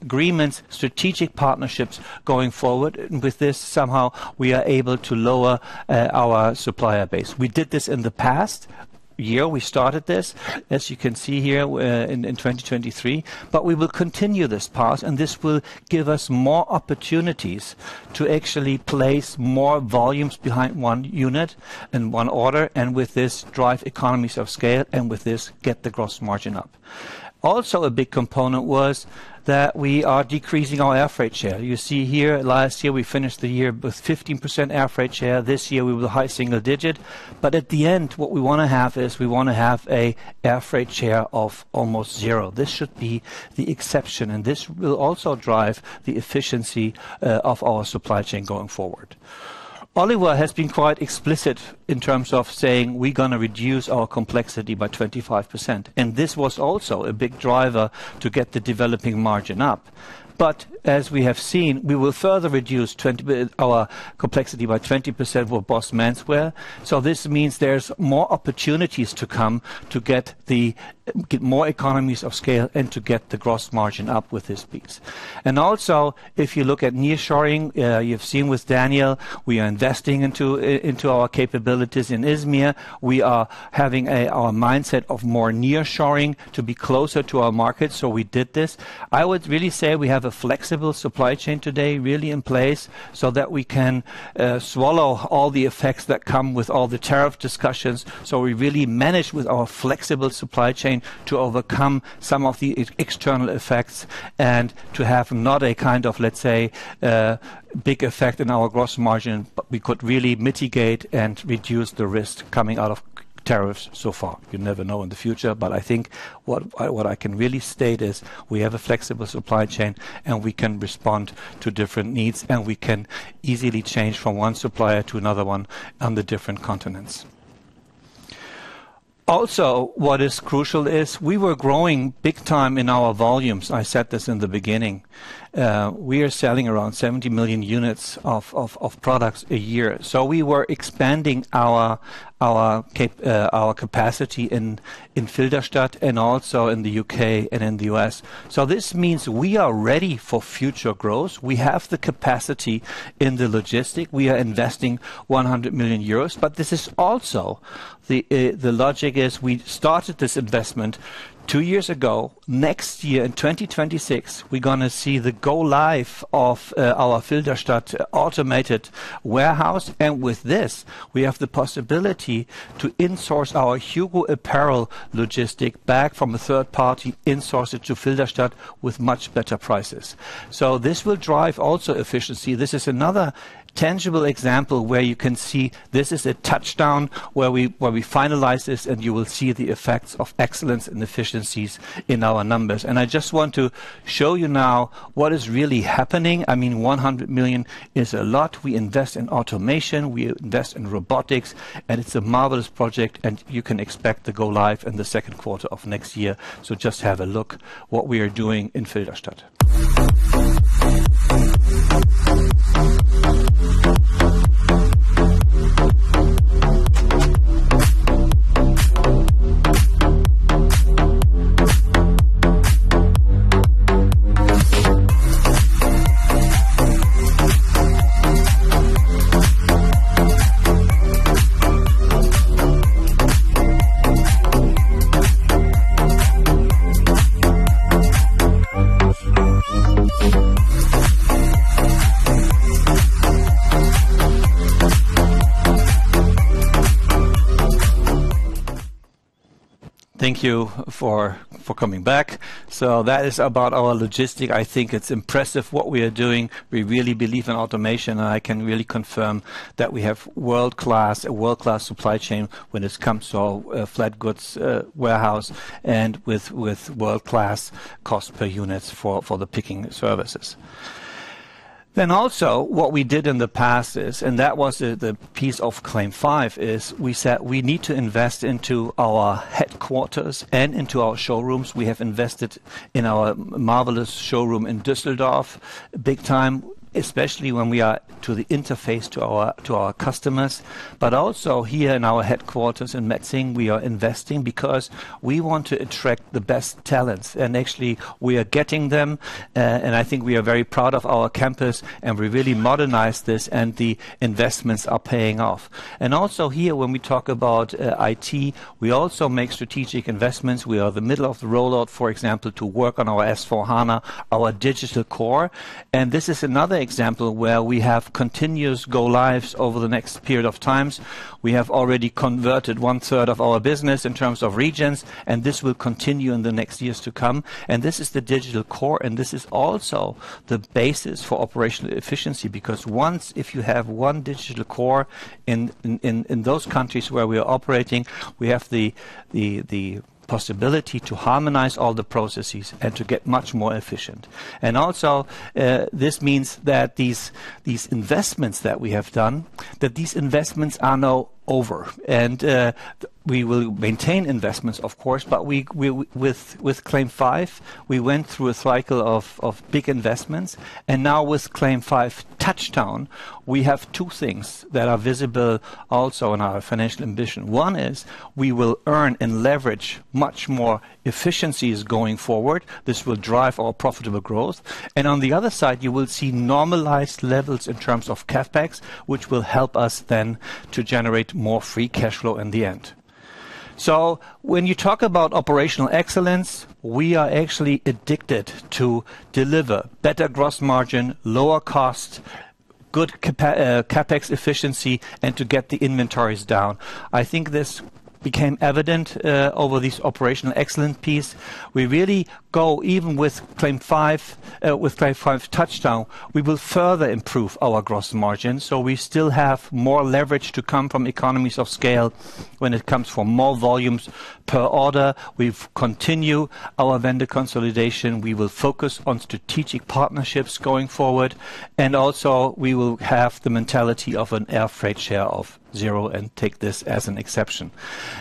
D: agreements, strategic partnerships going forward. And with this, somehow we are able to lower our supplier base. We did this in the past year. We started this, as you can see here, in 2023, but we will continue this path. And this will give us more opportunities to actually place more volumes behind one unit and one order. And with this, drive economies of scale. And with this, get the gross margin up. Also, a big component was that we are decreasing our airfreight share. You see here, last year we finished the year with 15% airfreight share. This year we will high single digit. But at the end, what we want to have is we want to have an airfreight share of almost zero. This should be the exception. And this will also drive the efficiency of our supply chain going forward. Oliver has been quite explicit in terms of saying we're going to reduce our complexity by 25%. And this was also a big driver to get the delivery margin up. But as we have seen, we will further reduce our complexity by 20% with BOSS men's wear. So this means there's more opportunities to come to get the more economies of scale and to get the gross margin up with this piece. And also, if you look at nearshoring, you've seen with Daniel, we are investing into our capabilities in Izmir. We are having our mindset of more nearshoring to be closer to our market. So we did this. I would really say we have a flexible supply chain today really in place so that we can swallow all the effects that come with all the tariff discussions. So we really manage with our flexible supply chain to overcome some of the external effects and to have not a kind of, let's say, big effect in our gross margin, but we could really mitigate and reduce the risk coming out of tariffs so far. You never know in the future. But I think what I can really state is we have a flexible supply chain and we can respond to different needs and we can easily change from one supplier to another one on the different continents. Also, what is crucial is we were growing big time in our volumes. I said this in the beginning. We are selling around 70 million units of products a year. So we were expanding our capacity in Filderstadt and also in the U.K. and in the U.S. So this means we are ready for future growth. We have the capacity in the logistics. We are investing 100 million euros. But this is also the logic is we started this investment two years ago. Next year in 2026, we're going to see the go-live of our Filderstadt automated warehouse. With this, we have the possibility to insource our HUGO apparel logistics back from a third party, insource it to Filderstadt with much better prices. This will drive also efficiency. This is another tangible example where you can see this is a touchdown where we finalize this and you will see the effects of excellence and efficiencies in our numbers. I just want to show you now what is really happening. I mean, 100 million is a lot. We invest in automation, we invest in robotics, and it's a marvelous project. You can expect the go-live in the second quarter of next year. Just have a look at what we are doing in Filderstadt. Thank you for coming back. That is about our logistics. I think it's impressive what we are doing. We really believe in automation. And I can really confirm that we have a world-class supply chain when it comes to our flat goods warehouse and with world-class cost per units for the picking services. Then also what we did in the past is, and that was the piece of CLAIM 5, we said we need to invest into our headquarters and into our showrooms. We have invested in our marvelous showroom in Düsseldorf, big time, especially when we are to the interface to our customers. But also here in our headquarters in Metzingen, we are investing because we want to attract the best talents. And actually, we are getting them. And I think we are very proud of our campus and we really modernize this and the investments are paying off. And also here, when we talk about IT, we also make strategic investments. We are in the middle of the rollout, for example, to work on our S/4HANA, our digital core. This is another example where we have continuous go-lives over the next period of time. We have already converted one-third of our business in terms of regions, and this will continue in the next years to come. This is the digital core, and this is also the basis for operational efficiency because once if you have one digital core in those countries where we are operating, we have the possibility to harmonize all the processes and to get much more efficient. Also this means that these investments that we have done, that these investments are now over. We will maintain investments, of course, but with CLAIM 5, we went through a cycle of big investments. Now CLAIM 5 TOUCHDOWN, we have two things that are visible also in our financial ambition. One is we will earn and leverage much more efficiencies going forward. This will drive our profitable growth. On the other side, you will see normalized levels in terms of CapEx, which will help us then to generate more free cash flow in the end. When you talk about Operational Excellence, we are actually addicted to deliver better gross margin, lower cost, good CapEx efficiency, and to get the inventories down. I think this became evident over this Operational Excellence piece. We really go even with CLAIM 5, CLAIM 5 TOUCHDOWN, we will further improve our gross margin. We still have more leverage to come from economies of scale when it comes for more volumes per order. We continue our vendor consolidation. We will focus on strategic partnerships going forward, and also we will have the mentality of an airfreight share of zero and take this as an exception,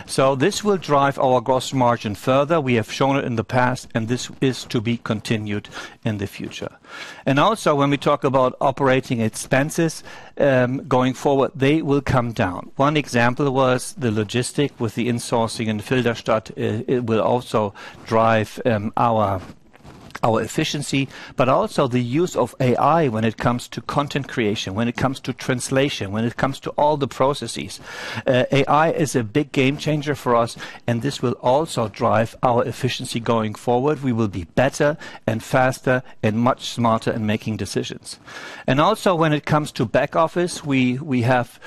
D: so this will drive our gross margin further. We have shown it in the past, and this is to be continued in the future, and also when we talk about operating expenses going forward, they will come down. One example was the logistics with the insourcing in Filderstadt. It will also drive our efficiency, but also the use of AI when it comes to content creation, when it comes to translation, when it comes to all the processes. AI is a big game changer for us, and this will also drive our efficiency going forward. We will be better and faster and much smarter in making decisions. Also when it comes to back office, we have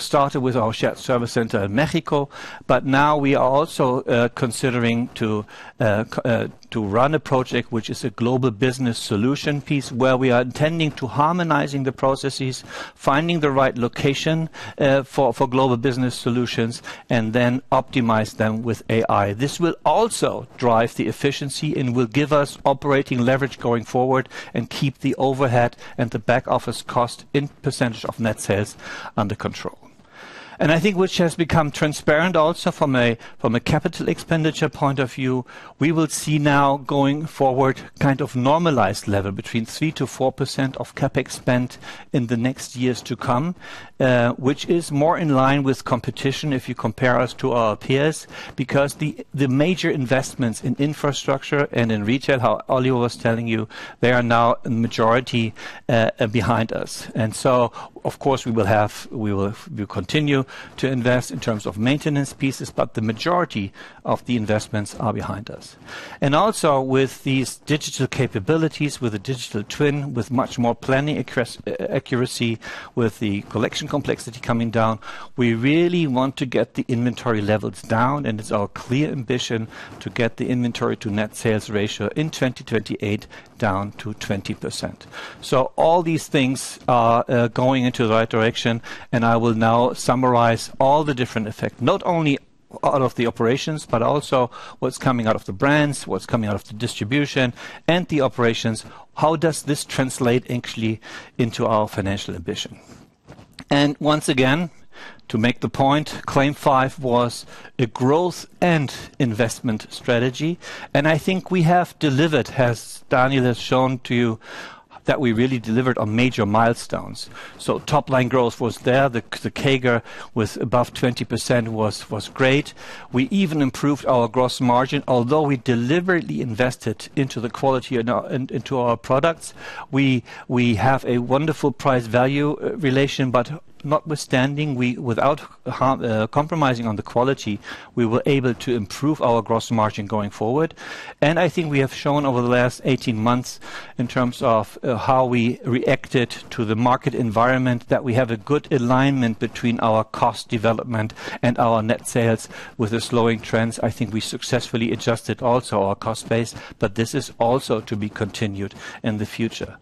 D: started with our shared service center in Mexico, but now we are also considering to run a project, which is a global business solution piece where we are intending to harmonize the processes, finding the right location for global business solutions, and then optimize them with AI. This will also drive the efficiency and will give us operating leverage going forward and keep the overhead and the back office cost in percentage of net sales under control. I think which has become transparent also from a capital expenditure point of view, we will see now going forward kind of normalized level between 3%-4% of CapEx spent in the next years to come, which is more in line with competition if you compare us to our peers because the major investments in infrastructure and in retail, how Oliver was telling you, they are now in majority behind us. So, of course, we will continue to invest in terms of maintenance pieces, but the majority of the investments are behind us. And also with these digital capabilities, with the Digital Twin, with much more planning accuracy, with the collection complexity coming down, we really want to get the inventory levels down. And it's our clear ambition to get the inventory to net sales ratio in 2028 down to 20%. So all these things are going into the right direction. And I will now summarize all the different effects, not only out of the operations, but also what's coming out of the brands, what's coming out of the distribution and the operations. How does this translate actually into our financial ambition? And once again, to make the point, CLAIM 5 was a growth and investment strategy. And I think we have delivered, as Daniel has shown to you, that we really delivered on major milestones. So top-line growth was there. The CAGR was above 20%, was great. We even improved our gross margin. Although we deliberately invested into the quality and into our products, we have a wonderful price-value relation. But notwithstanding, without compromising on the quality, we were able to improve our gross margin going forward. I think we have shown over the last 18 months in terms of how we reacted to the market environment that we have a good alignment between our cost development and our net sales with the slowing trends. I think we successfully adjusted also our cost base, but this is also to be continued in the future.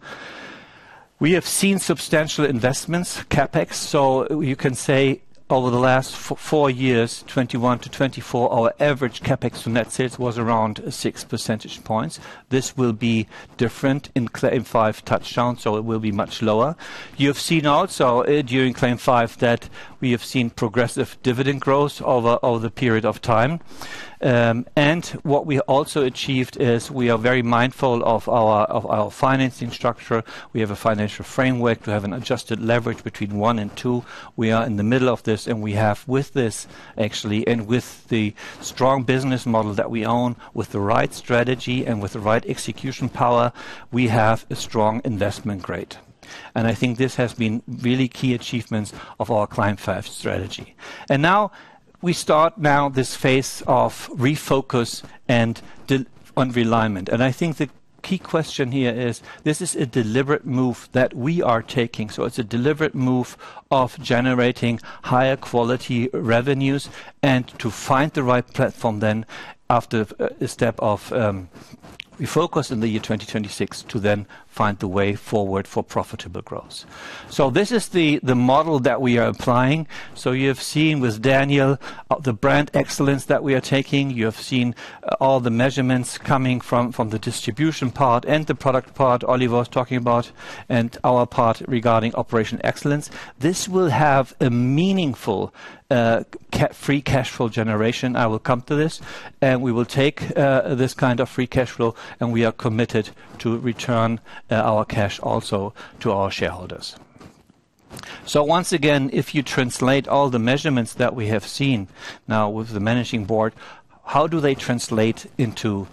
D: We have seen substantial investments, CapEx. So you can say over the last four years, 2021 to 2024, our average CapEx to net sales was around 6 percentage points. This will be different CLAIM 5 TOUCHDOWN, so it will be much lower. You have seen also during CLAIM 5 that we have seen progressive dividend growth over the period of time. And what we also achieved is we are very mindful of our financing structure. We have a financial framework. We have an adjusted leverage between 1% and 2%. We are in the middle of this. And we have with this actually and with the strong business model that we own, with the right strategy and with the right execution power, we have a strong investment grade. And I think this has been really key achievements of our CLAIM 5 strategy. And now we start now this phase of refocus and on refinement. And I think the key question here is this is a deliberate move that we are taking. So it's a deliberate move of generating higher quality revenues and to find the right platform then after a step of refocus in the year 2026 to then find the way forward for profitable growth. So this is the model that we are applying. So you have seen with Daniel the brand excellence that we are taking. You have seen all the measurements coming from the distribution part and the product part Oliver was talking about and our part regarding Operational Excellence. This will have a meaningful free cash flow generation. I will come to this, and we will take this kind of free cash flow, and we are committed to return our cash also to our shareholders, so once again, if you translate all the measurements that we have seen now with the managing board, how do they translate into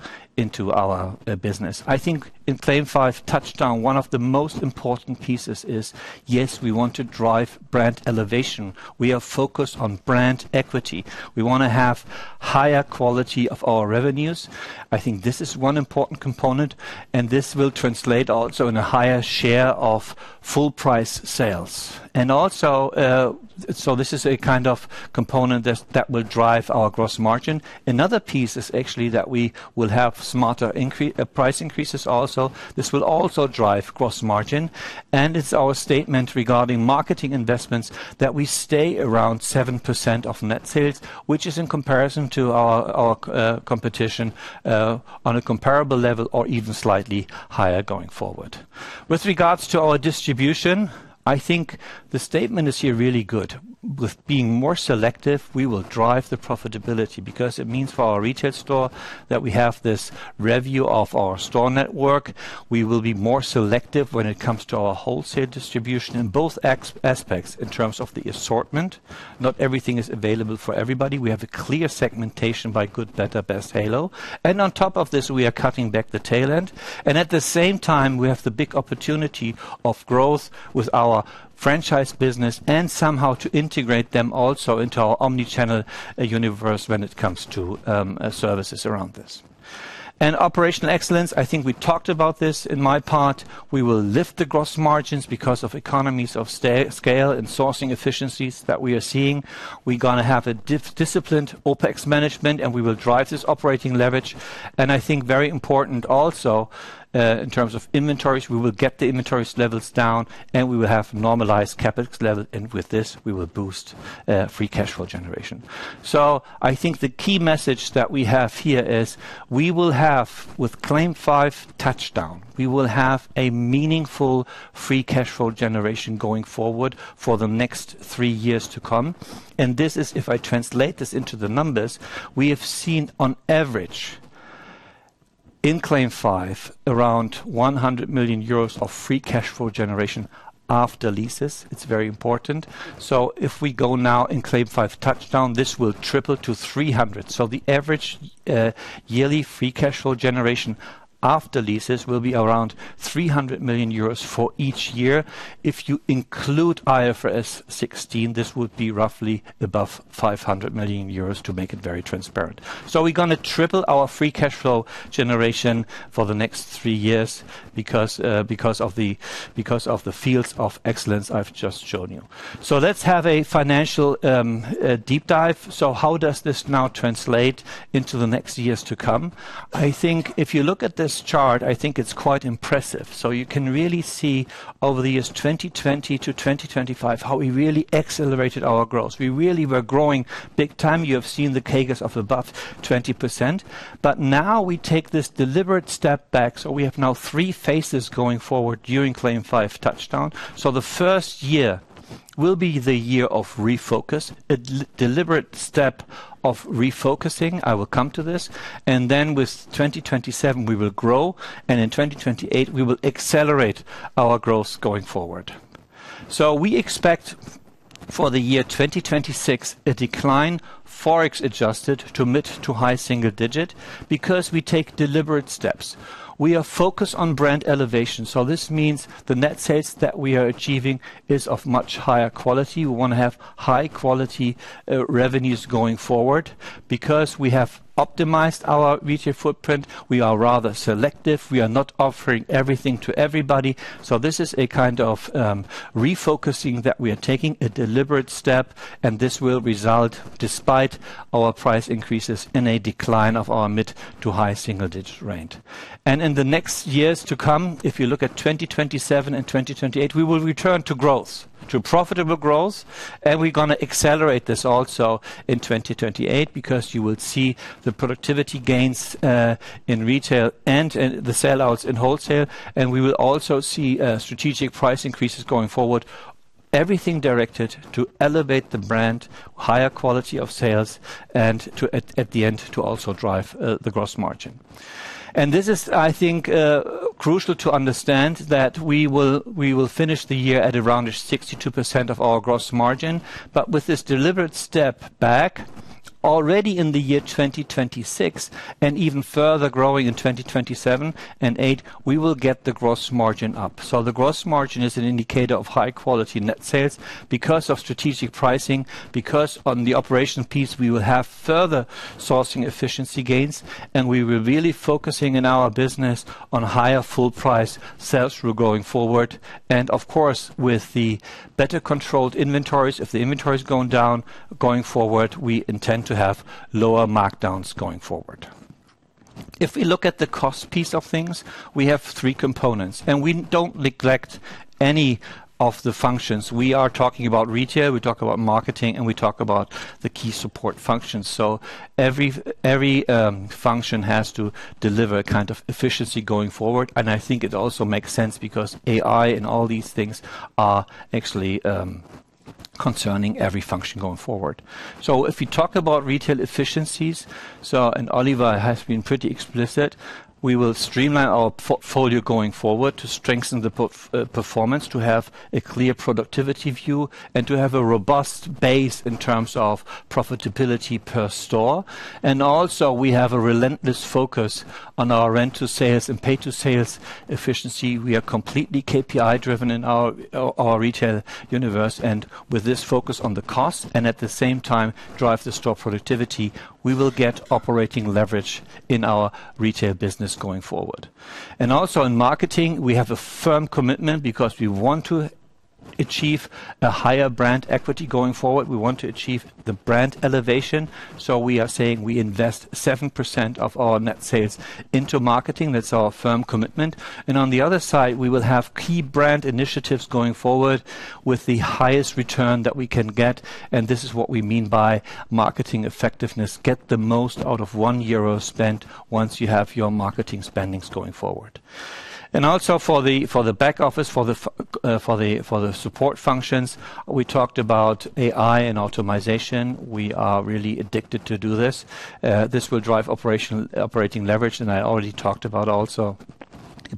D: our business? I think CLAIM 5 TOUCHDOWN, one of the most important pieces is, yes, we want to drive brand elevation. We are focused on brand equity. We want to have higher quality of our revenues. I think this is one important component, and this will translate also in a higher share of full-price sales. And also, so this is a kind of component that will drive our gross margin. Another piece is actually that we will have smarter price increases also. This will also drive gross margin. And it's our statement regarding marketing investments that we stay around 7% of net sales, which is in comparison to our competition on a comparable level or even slightly higher going forward. With regards to our distribution, I think the statement is here really good. With being more selective, we will drive the profitability because it means for our retail store that we have this review of our store network. We will be more selective when it comes to our wholesale distribution in both aspects in terms of the assortment. Not everything is available for everybody. We have a clear segmentation by Good, Better, Best, Halo. And on top of this, we are cutting back the tail end. And at the same time, we have the big opportunity of growth with our franchise business and somehow to integrate them also into our omnichannel universe when it comes to services around this. And Operational Excellence, I think we talked about this in my part. We will lift the gross margins because of economies of scale and sourcing efficiencies that we are seeing. We're going to have a disciplined OpEx management, and we will drive this operating leverage. And I think very important also in terms of inventories, we will get the inventory levels down, and we will have normalized CapEx level. And with this, we will boost free cash flow generation. So, I think the key message that we have here is we will have CLAIM 5 TOUCHDOWN, we will have a meaningful free cash flow generation going forward for the next three years to come. And this is if I translate this into the numbers, we have seen on average in CLAIM 5 around 100 million euros of free cash flow generation after leases. It's very important. So if we go now CLAIM 5 TOUCHDOWN, this will triple to 300. So the average yearly free cash flow generation after leases will be around 300 million euros for each year. If you include IFRS 16, this would be roughly above 500 million euros to make it very transparent. So we're going to triple our free cash flow generation for the next three years because of the fields of excellence I've just shown you. So let's have a financial deep dive. So how does this now translate into the next years to come? I think if you look at this chart, I think it's quite impressive. So you can really see over the years 2020 to 2025 how we really accelerated our growth. We really were growing big time. You have seen the CAGRs of above 20%. But now we take this deliberate step back. So we have now three phases going forward CLAIM 5 TOUCHDOWN. so the first year will be the year of refocus, a deliberate step of refocusing. I will come to this. And then with 2027, we will grow. And in 2028, we will accelerate our growth going forward. So we expect for the year 2026 a decline, forex adjusted to mid- to high-single-digit because we take deliberate steps. We are focused on brand elevation. So this means the net sales that we are achieving is of much higher quality. We want to have high-quality revenues going forward because we have optimized our retail footprint. We are rather selective. We are not offering everything to everybody. So this is a kind of refocusing that we are taking a deliberate step. And this will result, despite our price increases, in a decline of our mid- to high-single-digit range. And in the next years to come, if you look at 2027 and 2028, we will return to growth, to profitable growth. And we're going to accelerate this also in 2028 because you will see the productivity gains in retail and the sellouts in wholesale. And we will also see strategic price increases going forward, everything directed to elevate the brand, higher quality of sales, and at the end to also drive the gross margin. And this is, I think, crucial to understand that we will finish the year at around 62% of our gross margin. But with this deliberate step back, already in the year 2026 and even further growing in 2027 and 2028, we will get the gross margin up. So the gross margin is an indicator of high-quality net sales because of strategic pricing, because on the operational piece, we will have further sourcing efficiency gains. And we will really be focusing in our business on higher full-price sales going forward. And of course, with the better controlled inventories, if the inventory is going down going forward, we intend to have lower markdowns going forward. If we look at the cost piece of things, we have three components. And we don't neglect any of the functions. We are talking about retail. We talk about marketing. And we talk about the key support functions. So every function has to deliver a kind of efficiency going forward. And I think it also makes sense because AI and all these things are actually concerning every function going forward. So if we talk about retail efficiencies, so and Oliver has been pretty explicit, we will streamline our portfolio going forward to strengthen the performance, to have a clear productivity view, and to have a robust base in terms of profitability per store. And also, we have a relentless focus on our rent-to-sales and pay-to-sales efficiency. We are completely KPI-driven in our retail universe. And with this focus on the cost and at the same time drive the store productivity, we will get operating leverage in our retail business going forward. And also in marketing, we have a firm commitment because we want to achieve a higher brand equity going forward. We want to achieve the brand elevation. So we are saying we invest 7% of our net sales into marketing. That's our firm commitment. And on the other side, we will have key brand initiatives going forward with the highest return that we can get. And this is what we mean by marketing effectiveness: get the most out of 1 million euro spent once you have your marketing spending going forward. And also for the back office, for the support functions, we talked about AI and optimization. We are really addicted to do this. This will drive operating leverage. And I already talked about also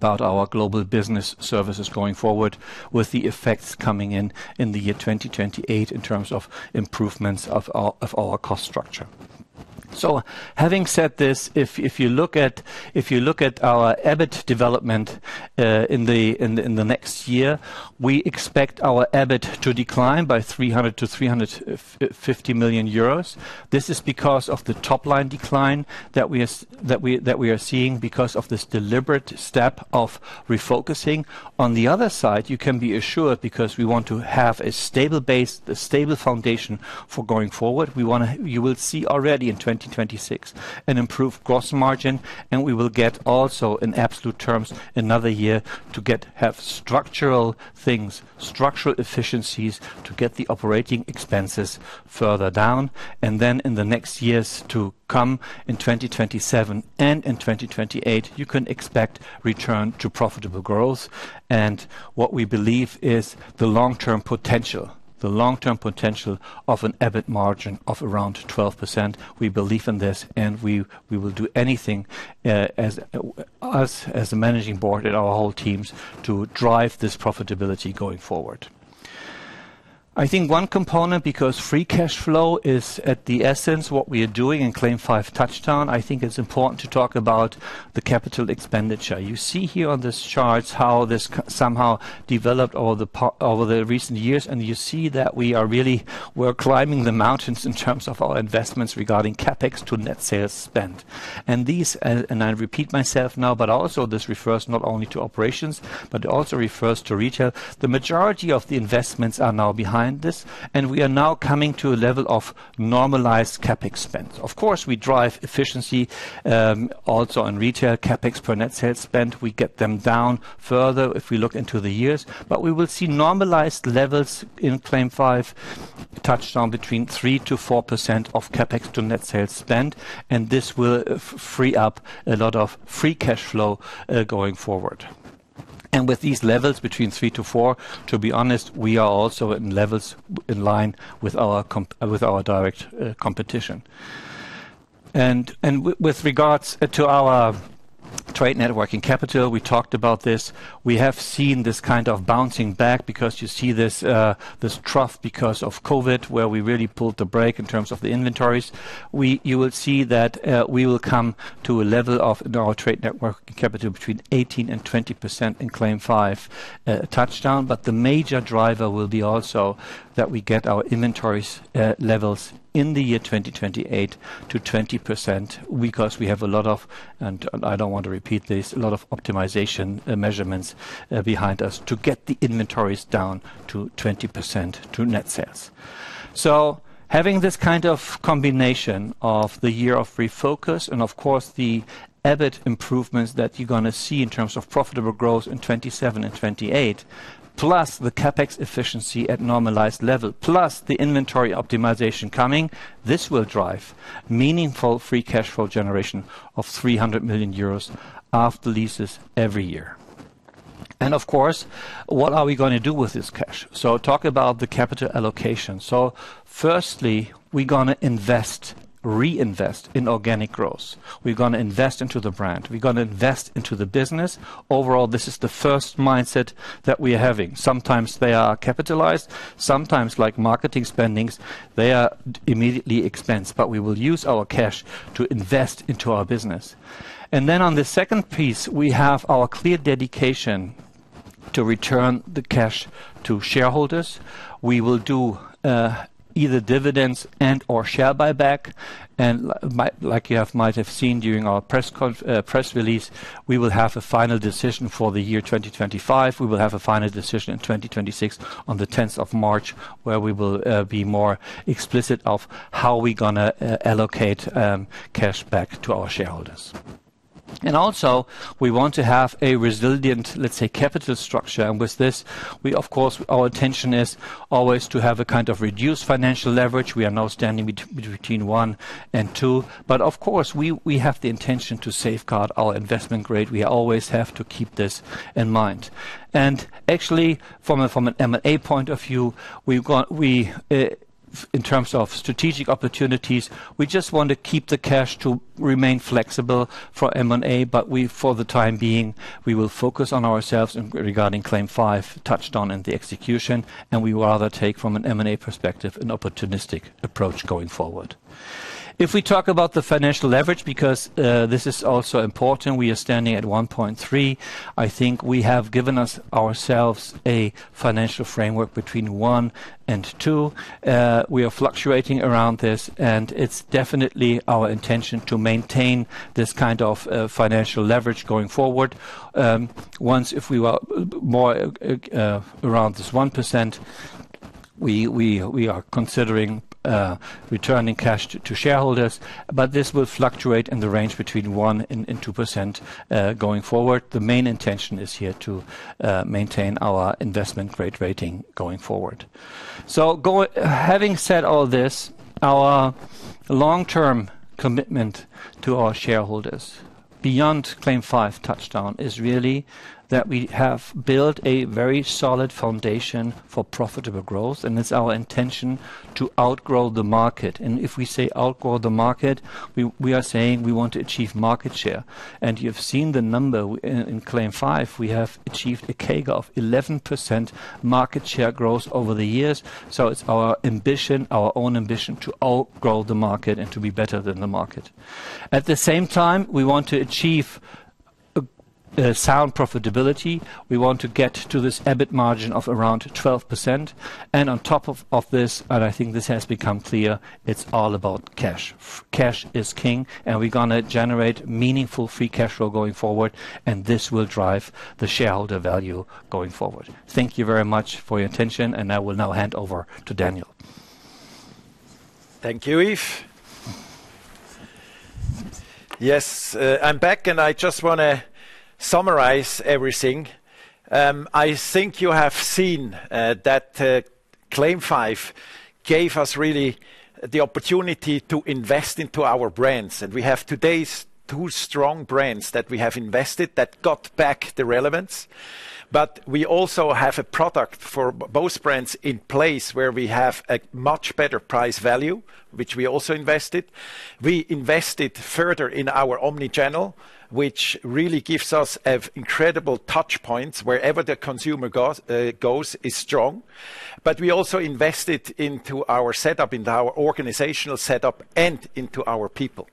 D: our global business services going forward with the effects coming in in the year 2028 in terms of improvements of our cost structure. So having said this, if you look at our EBIT development in the next year, we expect our EBIT to decline to 300-350 million euros. This is because of the top-line decline that we are seeing because of this deliberate step of refocusing. On the other side, you can be assured because we want to have a stable base, a stable foundation for going forward. You will see already in 2026 an improved gross margin. And we will get also in absolute terms another year to have structural things, structural efficiencies to get the operating expenses further down. And then in the next years to come in 2027 and in 2028, you can expect return to profitable growth. And what we believe is the long-term potential of an EBIT margin of around 12%. We believe in this. And we will do anything as us, as the managing board and our whole teams to drive this profitability going forward. I think one component because free cash flow is at the essence of what we are doing CLAIM 5 TOUCHDOWN. I think it's important to talk about the capital expenditure. You see here on this chart how this somehow developed over the recent years. And you see that we are really climbing the mountains in terms of our investments regarding CAPEX to net sales spend. And I repeat myself now, but also this refers not only to operations, but it also refers to retail. The majority of the investments are now behind this. And we are now coming to a level of normalized CapEx spend. Of course, we drive efficiency also in retail CapEx per net sales spend. We get them down further if we look into the years, but we will see normalized levels CLAIM 5 TOUCHDOWN between 3%-4% of CapEx to net sales spend. And this will free up a lot of free cash flow going forward, and with these levels between 3%-4%, to be honest, we are also in levels in line with our direct competition. And with regards to our net working capital, we talked about this. We have seen this kind of bouncing back because you see this trough because of COVID, where we really pulled the brake in terms of the inventories. You will see that we will come to a level of our net working capital between 18% and 20% in CLAIM 5 TOUCHDOWN. The major driver will be also that we get our inventory levels in the year 2028 to 20% because we have a lot of, and I don't want to repeat this, a lot of optimization measures behind us to get the inventories down to 20% to net sales. So having this kind of combination of the year of refocus and, of course, the EBIT improvements that you're going to see in terms of profitable growth in 2027 and 2028, plus the CapEx efficiency at normalized level, plus the inventory optimization coming, this will drive meaningful free cash flow generation of 300 million euros after leases every year. Of course, what are we going to do with this cash? So talk about the capital allocation. So firstly, we're going to invest, reinvest in organic growth. We're going to invest into the brand. We're going to invest into the business. Overall, this is the first mindset that we are having. Sometimes they are capitalized. Sometimes, like marketing spending, they are immediately expensed, but we will use our cash to invest into our business, and then on the second piece, we have our clear dedication to return the cash to shareholders. We will do either dividends and/or share buyback, and like you might have seen during our press release, we will have a final decision for the year 2025. We will have a final decision in 2026 on the 10th of March, where we will be more explicit of how we're going to allocate cash back to our shareholders, and also we want to have a resilient, let's say, capital structure, and with this, we, of course, our intention is always to have a kind of reduced financial leverage. We are now standing between 1% and 2%. But of course, we have the intention to safeguard our investment grade. We always have to keep this in mind. And actually, from an M&A point of view, in terms of strategic opportunities, we just want to keep the cash to remain flexible for M&A. But for the time being, we will focus on ourselves CLAIM 5 TOUCHDOWN and the execution. And we would rather take from an M&A perspective an opportunistic approach going forward. If we talk about the financial leverage, because this is also important, we are standing at 1.3%. I think we have given ourselves a financial framework between 1% and 2%. We are fluctuating around this. And it's definitely our intention to maintain this kind of financial leverage going forward. Once if we are more around this 1%, we are considering returning cash to shareholders. But this will fluctuate in the range between 1% and 2% going forward. The main intention is here to maintain our investment grade rating going forward. So having said all this, our long-term commitment to our shareholders CLAIM 5 TOUCHDOWN is really that we have built a very solid foundation for profitable growth. And it's our intention to outgrow the market. And if we say outgrow the market, we are saying we want to achieve market share. And you've seen the number in CLAIM 5. We have achieved a CAGR of 11% market share growth over the years. So it's our ambition, our own ambition to outgrow the market and to be better than the market. At the same time, we want to achieve sound profitability. We want to get to this EBIT margin of around 12%. And on top of this, and I think this has become clear, it's all about cash. Cash is king. And we're going to generate meaningful free cash flow going forward. And this will drive the shareholder value going forward. Thank you very much for your attention. And I will now hand over to Daniel.
B: Thank you, Yves. Yes, I'm back. And I just want to summarize everything. I think you have seen that CLAIM 5 gave us really the opportunity to invest into our brands. And we have today's two strong brands that we have invested that got back the relevance. But we also have a product for both brands in place where we have a much better price value, which we also invested. We invested further in our omnichannel, which really gives us incredible touch points wherever the consumer goes, is strong. But we also invested into our setup, into our organizational setup, and into our people.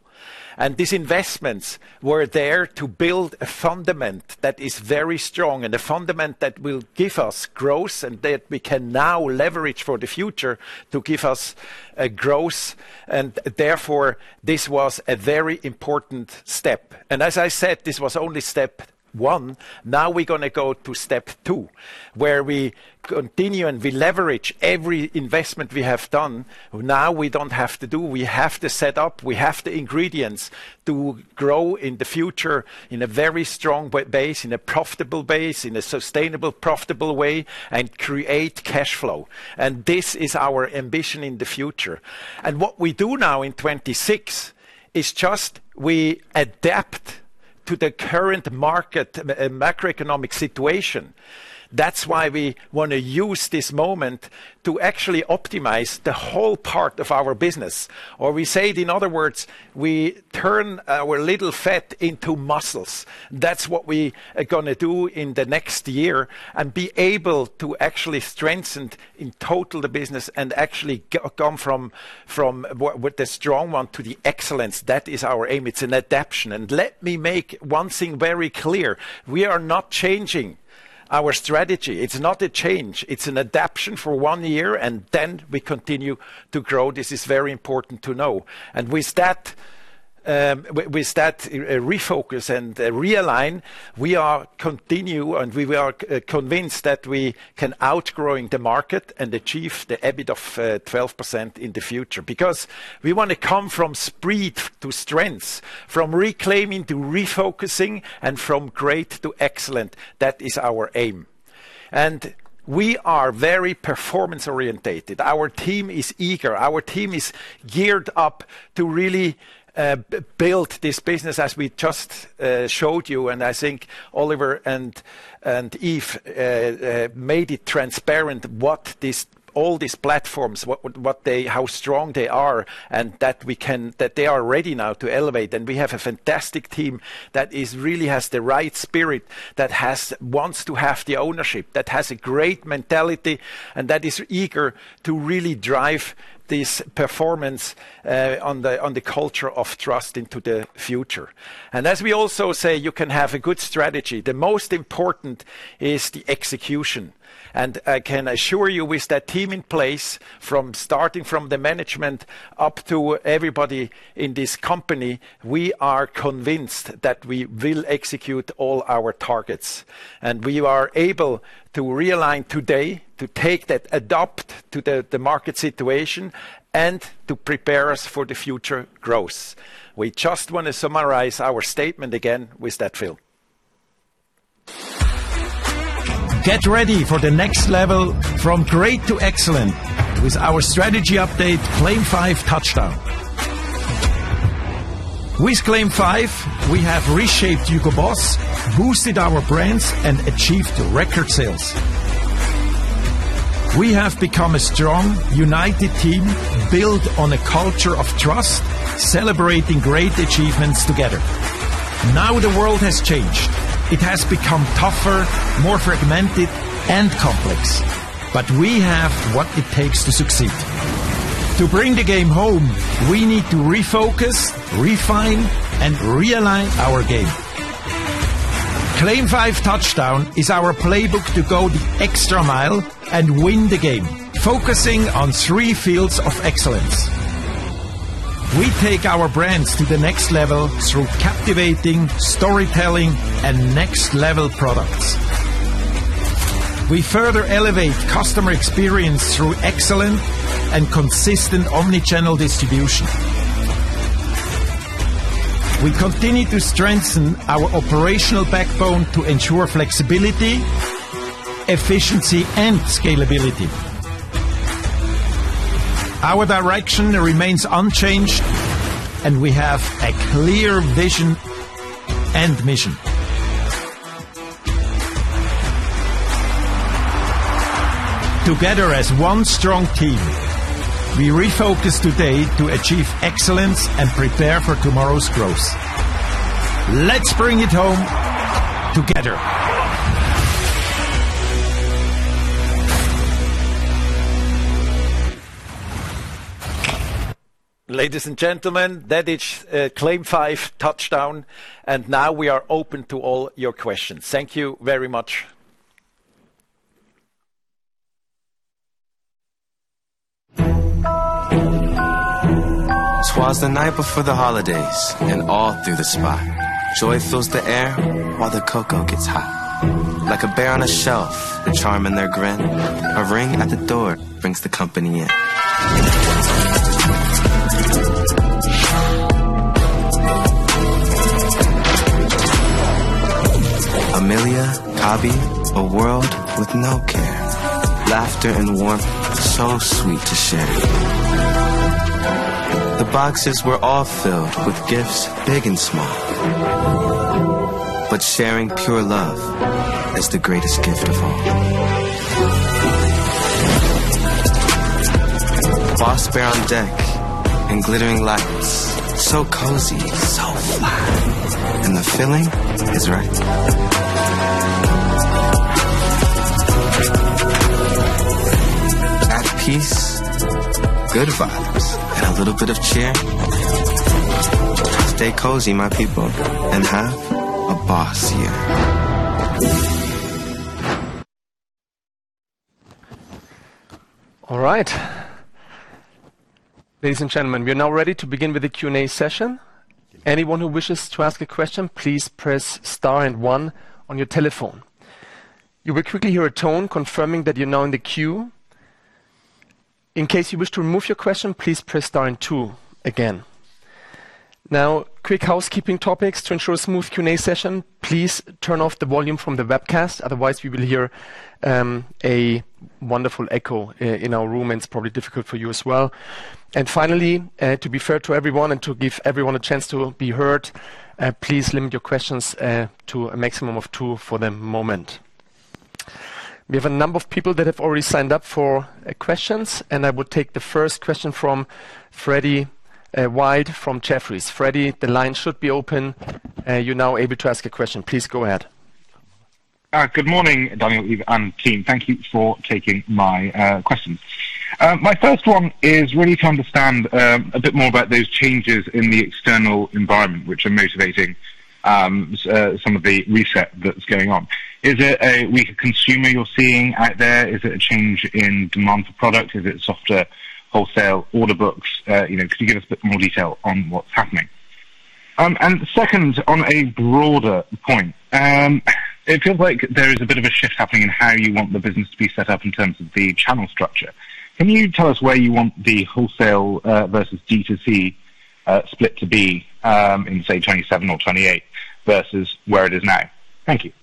B: And these investments were there to build a fundament that is very strong and a fundament that will give us growth and that we can now leverage for the future to give us growth. And therefore, this was a very important step. And as I said, this was only step one. Now we're going to go to step two, where we continue and we leverage every investment we have done. Now we don't have to do. We have the setup. We have the ingredients to grow in the future in a very strong base, in a profitable base, in a sustainable profitable way, and create cash flow. And this is our ambition in the future. And what we do now in 2026 is just we adapt to the current market macroeconomic situation. That's why we want to use this moment to actually optimize the whole part of our business. Or we say it in other words, we turn our little fat into muscles. That's what we are going to do in the next year and be able to actually strengthen in total the business and actually come from the strong one to the excellence. That is our aim. It's an adaptation. And let me make one thing very clear. We are not changing our strategy. It's not a change. It's an adaptation for one year. And then we continue to grow. This is very important to know. And with that refocus and realign, we continue and we are convinced that we can outgrow the market and achieve the EBIT of 12% in the future because we want to come from spread to strength, from claiming to refocusing, and from great to excellent. That is our aim. And we are very performance-oriented. Our team is eager. Our team is geared up to really build this business, as we just showed you. And I think Oliver and Yves made it transparent what all these platforms, how strong they are, and that they are ready now to elevate. And we have a fantastic team that really has the right spirit, that wants to have the ownership, that has a great mentality, and that is eager to really drive this performance on the culture of trust into the future. And as we also say, you can have a good strategy. The most important is the execution. And I can assure you, with that team in place, from starting from the management up to everybody in this company, we are convinced that we will execute all our targets. We are able to realign today to take that, adapt to the market situation, and to prepare us for the future growth. We just want to summarize our statement again with that film. Get ready for the next level from great to excellent with our strategy CLAIM 5 TOUCHDOWN. with CLAIM 5, we have reshaped HUGO BOSS, boosted our brands, and achieved record sales. We have become a strong, united team built on a culture of trust, celebrating great achievements together. Now the world has changed. It has become tougher, more fragmented, and complex. But we have what it takes to succeed. To bring the game home, we need to refocus, refine, and realign our CLAIM 5 TOUCHDOWN is our playbook to go the extra mile and win the game, focusing on three fields of excellence. We take our brands to the next level through captivating storytelling and next-level products. We further elevate customer experience through excellent and consistent omnichannel distribution. We continue to strengthen our operational backbone to ensure flexibility, efficiency, and scalability. Our direction remains unchanged, and we have a clear vision and mission. Together as one strong team, we refocus today to achieve excellence and prepare for tomorrow's growth. Let's bring it home together. Ladies and gentlemen, that CLAIM 5 TOUCHDOWN. and now we are open to all your questions. Thank you very much. It was the night before the holidays, and all through the house. Joy fills the air while the cocoa gets hot. Like a bear on a shelf, the charm and their grin. A ring at the door brings the company in. Amelia, Kabi, a world with no care. Laughter and warmth so sweet to share. The boxes were all filled with gifts big and small. But sharing pure love is the greatest gift of all. BOSS Bear on deck and glittering lights. So cozy, so fine and the feeling is right. Have peace, good vibes, and a little bit of cheer. Stay cozy, my people, and have a BOSS year.
A: All right. Ladies and gentlemen, we are now ready to begin with the Q&A session. Anyone who wishes to ask a question, please press star and one on your telephone. You will quickly hear a tone confirming that you're now in the queue. In case you wish to remove your question, please press star and two again. Now, quick housekeeping topics to ensure a smooth Q&A session. Please turn off the volume from the webcast. Otherwise, we will hear a wonderful echo in our room. And it's probably difficult for you as well. And finally, to be fair to everyone and to give everyone a chance to be heard, please limit your questions to a maximum of two for the moment. We have a number of people that have already signed up for questions. And I would take the first question from Freddie Wild from Jefferies. Freddie, the line should be open. You're now able to ask a question. Please go ahead.
E: Good morning, Daniel, Yves, and team. Thank you for taking my question. My first one is really to understand a bit more about those changes in the external environment, which are motivating some of the reset that's going on. Is it a weaker consumer you're seeing out there? Is it a change in demand for product? Is it softer wholesale order books? Could you give us a bit more detail on what's happening? And second, on a broader point, it feels like there is a bit of a shift happening in how you want the business to be set up in terms of the channel structure. Can you tell us where you want the wholesale versus DTC split to be in, say, 2027 or 2028 versus where it is now? Thank you.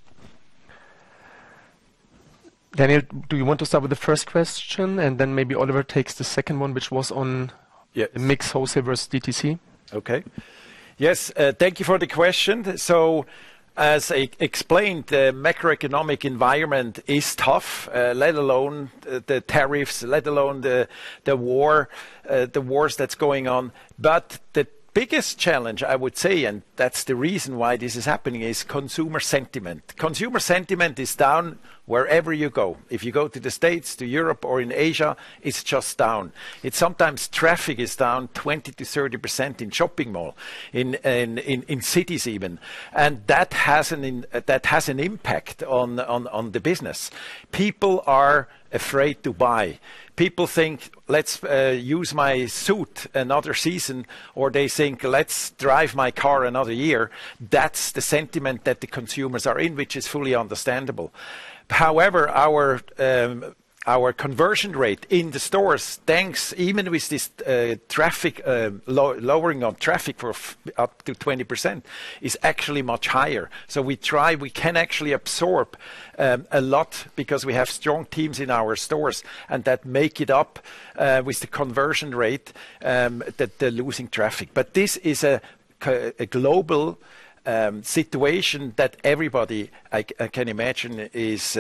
A: Daniel, do you want to start with the first question? And then maybe Oliver takes the second one, which was on mixed wholesale versus DTC.
B: Okay. Yes, thank you for the question. As I explained, the macroeconomic environment is tough, let alone the tariffs, let alone the war, the wars that's going on. But the biggest challenge, I would say, and that's the reason why this is happening, is consumer sentiment. Consumer sentiment is down wherever you go. If you go to the States, to Europe, or in Asia, it's just down. Sometimes traffic is down 20%-30% in shopping malls, in cities even. And that has an impact on the business. People are afraid to buy. People think, "Let's use my suit another season," or they think, "Let's drive my car another year." That's the sentiment that the consumers are in, which is fully understandable. However, our conversion rate in the stores, thanks even with this lowering of traffic for up to 20%, is actually much higher. So we try. We can actually absorb a lot because we have strong teams in our stores. And that makes it up with the conversion rate that they're losing traffic. But this is a global situation that everybody, I can imagine, is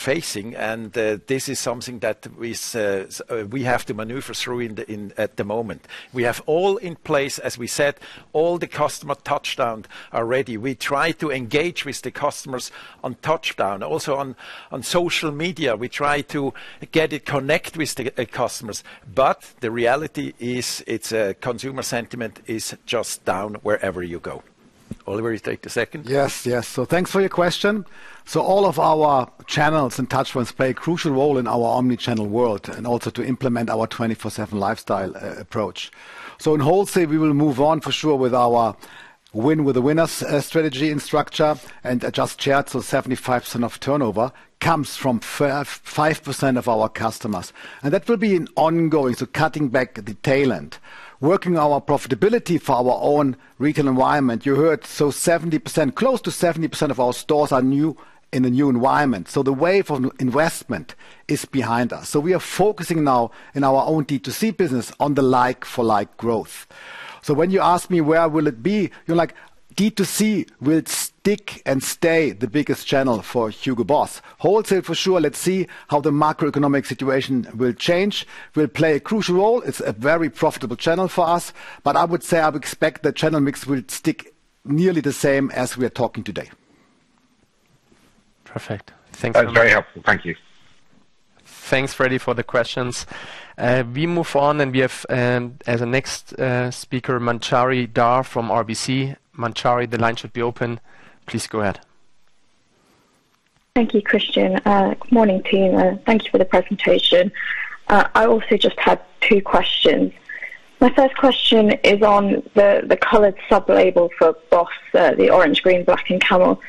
B: facing. And this is something that we have to maneuver through at the moment. We have all in place, as we said. All the customer Touchdowns are ready. We try to engage with the customers on TOUCHDOWNa Also, on social media, we try to get it connect with the customers. But the reality is, consumer sentiment is just down wherever you go. Oliver, you take the second.
C: Yes, yes. So thanks for your question. So all of our channels and touchpoints play a crucial role in our omnichannel world and also to implement our 24/7 lifestyle approach. So in wholesale, we will move on for sure with our win with the winners strategy and structure and adjust shares. So 75% of turnover comes from 5% of our customers. And that will be an ongoing, so cutting back the tail end, working our profitability for our own retail environment. You heard, so 70%, close to 70% of our stores are new in the new environment. So the wave of investment is behind us. So we are focusing now in our own DTC business on the like-for-like growth. So when you ask me, where will it be? You're like, DTC will stick and stay the biggest channel for HUGO BOSS. Wholesale, for sure. Let's see how the macroeconomic situation will change. Will play a crucial role. It's a very profitable channel for us. But I would say I would expect the channel mix will stick nearly the same as we are talking today.
A: Perfect. Thanks for that.
E: That was very helpful. Thank you.
A: Thanks, Freddie, for the questions. We move on, and we have as a next speaker, Manjari Dhar from RBC. Manjari, the line should be open. Please go ahead.
F: Thank you, Christian. Good morning, team. Thank you for the presentation. I also just had two questions. My first question is on the colored sub-label for BOSS, the BOSS Orange, BOSS Green, BOSS Black, and BOSS Camel.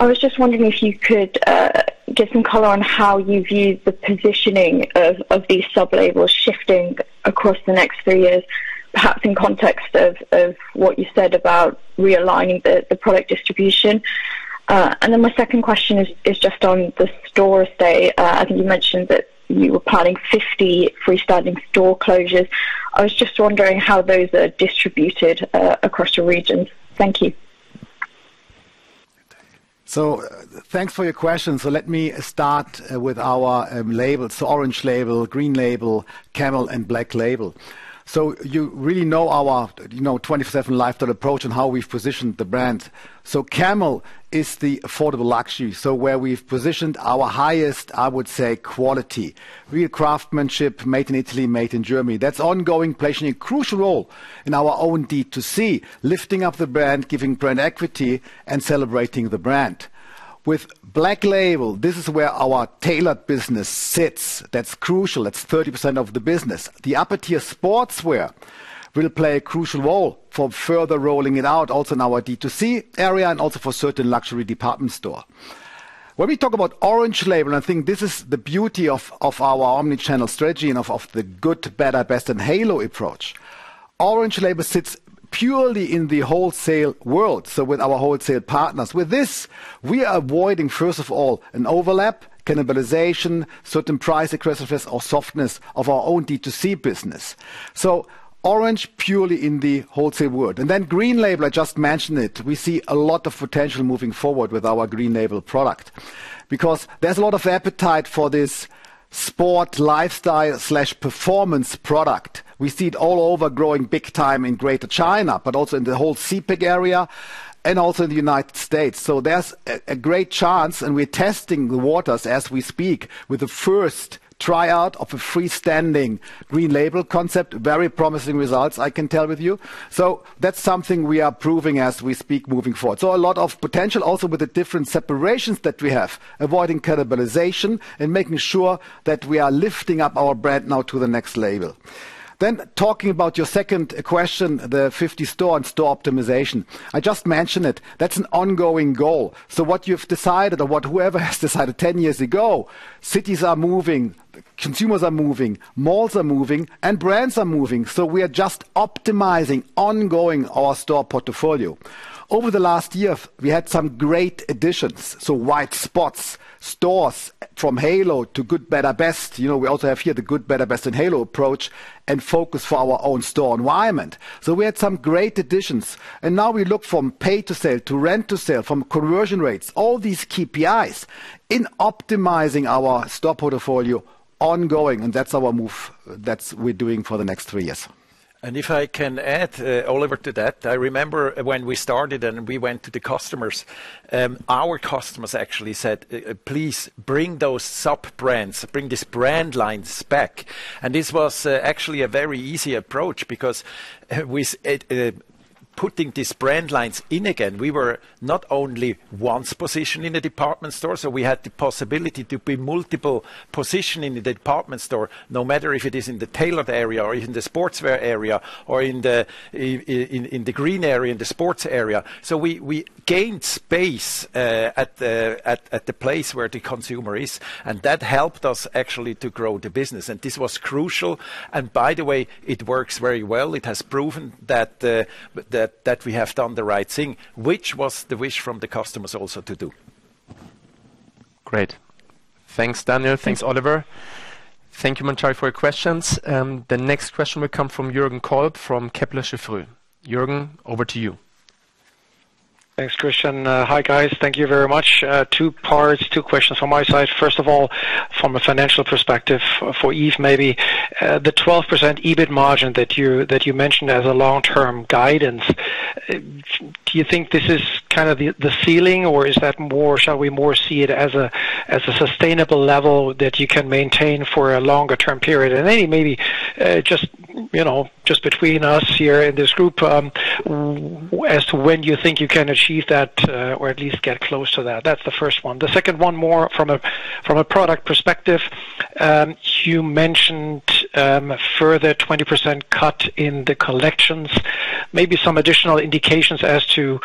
F: I was just wondering if you could give some color on how you view the positioning of these sub-labels shifting across the next three years, perhaps in context of what you said about realigning the product distribution. And then my second question is just on the store estate. I think you mentioned that you were planning 50 freestanding store closures. I was just wondering how those are distributed across the region. Thank you.
C: Thanks for your question. Let me start with our labels. Orange label, Green label, Camel, and Black label. You really know our 24/7 lifestyle approach and how we've positioned the brands. Camel is the affordable luxury where we've positioned our highest, I would say, quality. Real craftsmanship, made in Italy, made in Germany. That's ongoing, playing a crucial role in our own DTC, lifting up the brand, giving brand equity, and celebrating the brand. With Black label, this is where our tailored business sits. That's crucial. That's 30% of the business. The upper-tier sportswear will play a crucial role for further rolling it out, also in our DTC area and also for certain luxury department stores. When we talk about Orange label, I think this is the beauty of our omnichannel strategy and of the good, better, best, and halo approach. Orange label sits purely in the wholesale world, so with our wholesale partners. With this, we are avoiding, first of all, an overlap, cannibalization, certain price aggressiveness, or softness of our own DTC business, so Orange purely in the wholesale world. And then the Green label, I just mentioned it. We see a lot of potential moving forward with our Green label product because there's a lot of appetite for this sport lifestyle slash performance product. We see it all over growing big time in Greater China, but also in the whole ZIPIG area and also in the United States. So there's a great chance, and we're testing the waters as we speak with the first tryout of a freestanding Green label concept. Very promising results, I can tell you. So that's something we are pursuing as we speak moving forward. So a lot of potential also with the different separations that we have, avoiding cannibalization and making sure that we are lifting up our brand now to the next label. Then talking about your second question, the 50 stores and store optimization. I just mentioned it. That's an ongoing goal. So what you've decided or what whoever has decided 10 years ago, cities are moving, consumers are moving, malls are moving, and brands are moving. So we are just optimizing ongoing our store portfolio. Over the last year, we had some great additions. So white spots, stores from Halo to Good, Better, Best. We also have here the Good, Better, Best, and Halo approach and focus for our own store environment. So we had some great additions. Now we look from pay to sale to rent to sale, from conversion rates, all these KPIs in optimizing our store portfolio ongoing. That's our move that we're doing for the next three years.
B: And if I can add, Oliver, to that, I remember when we started and we went to the customers, our customers actually said, "Please bring those sub-brands, bring these brand lines back." And this was actually a very easy approach because with putting these brand lines in again, we were not only once positioned in the department store. So we had the possibility to be multiple positioned in the department store, no matter if it is in the tailored area or in the sportswear area or in the green area, in the sports area. So we gained space at the place where the consumer is. And that helped us actually to grow the business. And this was crucial. And by the way, it works very well. It has proven that we have done the right thing, which was the wish from the customers also to do.
A: Great. Thanks, Daniel. Thanks, Oliver. Thank you, Manjari, for your questions. The next question will come from Jürgen Kolb from Kepler Cheuvreux. Jürgen, over to you.
G: Thanks, Christian. Hi, guys. Thank you very much. Two parts, two questions from my side. First of all, from a financial perspective for Yves, maybe the 12% EBIT margin that you mentioned as a long-term guidance, do you think this is kind of the ceiling or is that more, shall we more see it as a sustainable level that you can maintain for a longer-term period? And then maybe just between us here in this group, as to when you think you can achieve that or at least get close to that. That's the first one. The second one more from a product perspective. You mentioned further 20% cut in the collections. Maybe some additional indications as to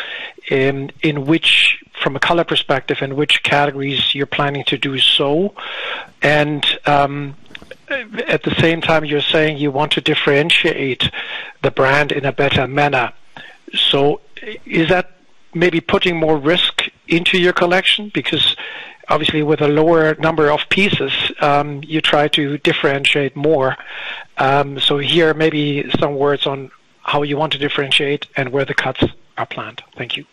G: in which, from a color perspective, in which categories you're planning to do so. And at the same time, you're saying you want to differentiate the brand in a better manner. So is that maybe putting more risk into your collection? Because obviously, with a lower number of pieces, you try to differentiate more. So here, maybe some words on how you want to differentiate and where the cuts are planned. Thank you.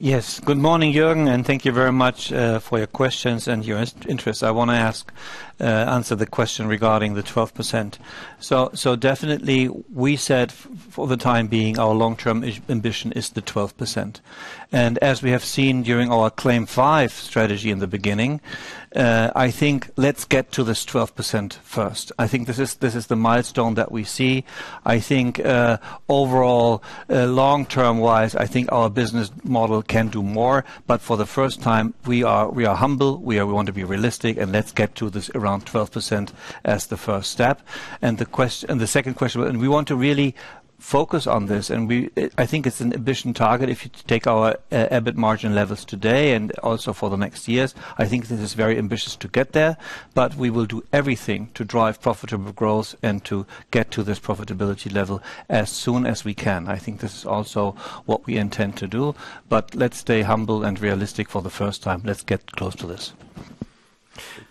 D: Yes. Good morning, Jürgen. And thank you very much for your questions and your interest. I want to answer the question regarding the 12%. So definitely, we said for the time being, our long-term ambition is the 12%. And as we have seen during our CLAIM 5 strategy in the beginning, I think let's get to this 12% first. I think this is the milestone that we see. I think overall, long-term-wise, I think our business model can do more. But for the first time, we are humble. We want to be realistic. And let's get to this around 12% as the first step. And the second question, and we want to really focus on this. And I think it's an ambitious target if you take our EBIT margin levels today and also for the next years. I think this is very ambitious to get there. But we will do everything to drive profitable growth and to get to this profitability level as soon as we can. I think this is also what we intend to do. But let's stay humble and realistic for the first time. Let's get close to this.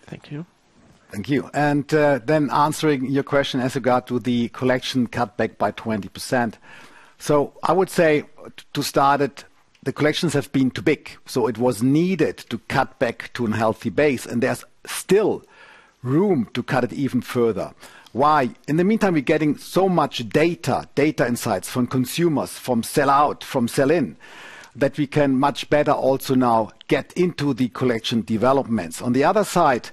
G: Thank you.
C: Thank you. And then answering your question as regards the collection cutback by 20%. So I would say to start it, the collections have been too big. So it was needed to cut back to a healthy base. And there's still room to cut it even further. Why? In the meantime, we're getting so much data, data insights from consumers, from sell out, from sell in, that we can much better also now get into the collection developments. On the other side,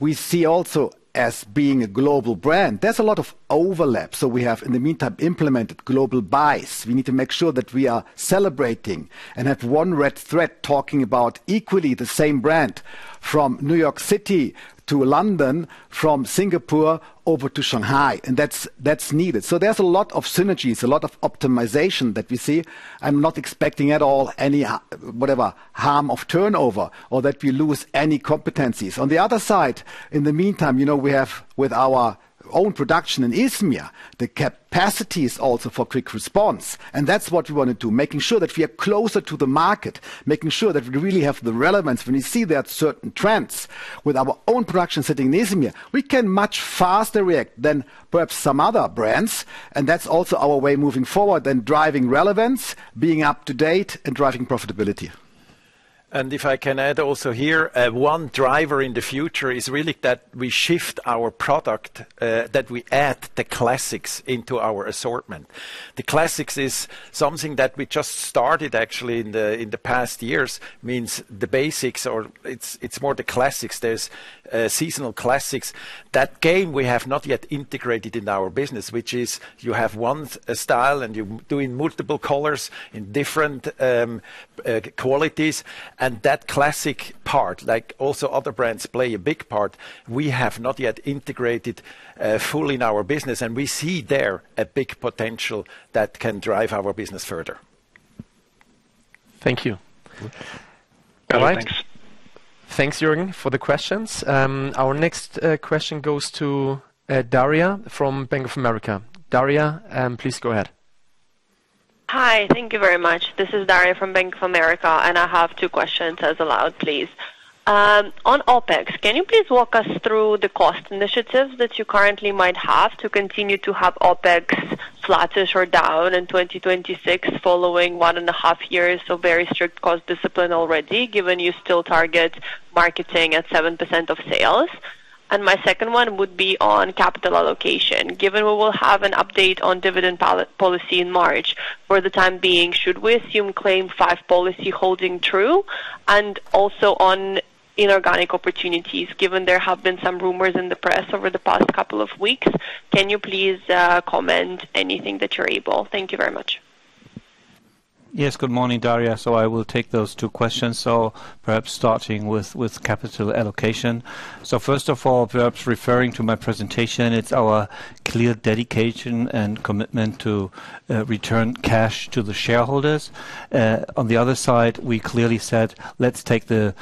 C: we see also as being a global brand, there's a lot of overlap. So we have, in the meantime, implemented global buys. We need to make sure that we are celebrating and have one red thread talking about equally the same brand from New York City to London, from Singapore over to Shanghai. And that's needed. So there's a lot of synergies, a lot of optimization that we see. I'm not expecting at all any whatever harm of turnover or that we lose any competencies. On the other side, in the meantime, you know we have with our own production in Izmir, the capacities also for quick response. And that's what we want to do, making sure that we are closer to the market, making sure that we really have the relevance. When we see there are certain trends with our own production sitting in Izmir, we can much faster react than perhaps some other brands. And that's also our way moving forward, then driving relevance, being up to date, and driving profitability.
B: And if I can add also here, one driver in the future is really that we shift our product, that we add the classics into our assortment. The classics is something that we just started actually in the past years, means the basics, or it's more the classics. There's seasonal classics. That game we have not yet integrated in our business, which is you have one style and you're doing multiple colors in different qualities, and that classic part, like also other brands play a big part, we have not yet integrated fully in our business, and we see there a big potential that can drive our business further.
G: Thank you.
A: All right. Thanks, Jürgen, for the questions. Our next question goes to Daria from Bank of America. Daria, please go ahead.
H: Hi, thank you very much. This is Daria from Bank of America. And I have two questions as well, please. On OpEx, can you please walk us through the cost initiatives that you currently might have to continue to have OpEx flattish or down in 2026 following one and a half years of very strict cost discipline already, given you still target marketing at 7% of sales? And my second one would be on capital allocation, given we will have an update on dividend policy in March. For the time being, should we assume CLAIM 5 policy holding true? And also on inorganic opportunities, given there have been some rumors in the press over the past couple of weeks, can you please comment anything that you're able? Thank you very much.
D: Yes, good morning, Daria. I will take those two questions. Perhaps starting with capital allocation. First of all, perhaps referring to my presentation, it's our clear dedication and commitment to return cash to the shareholders. On the other side, we clearly said, let's take the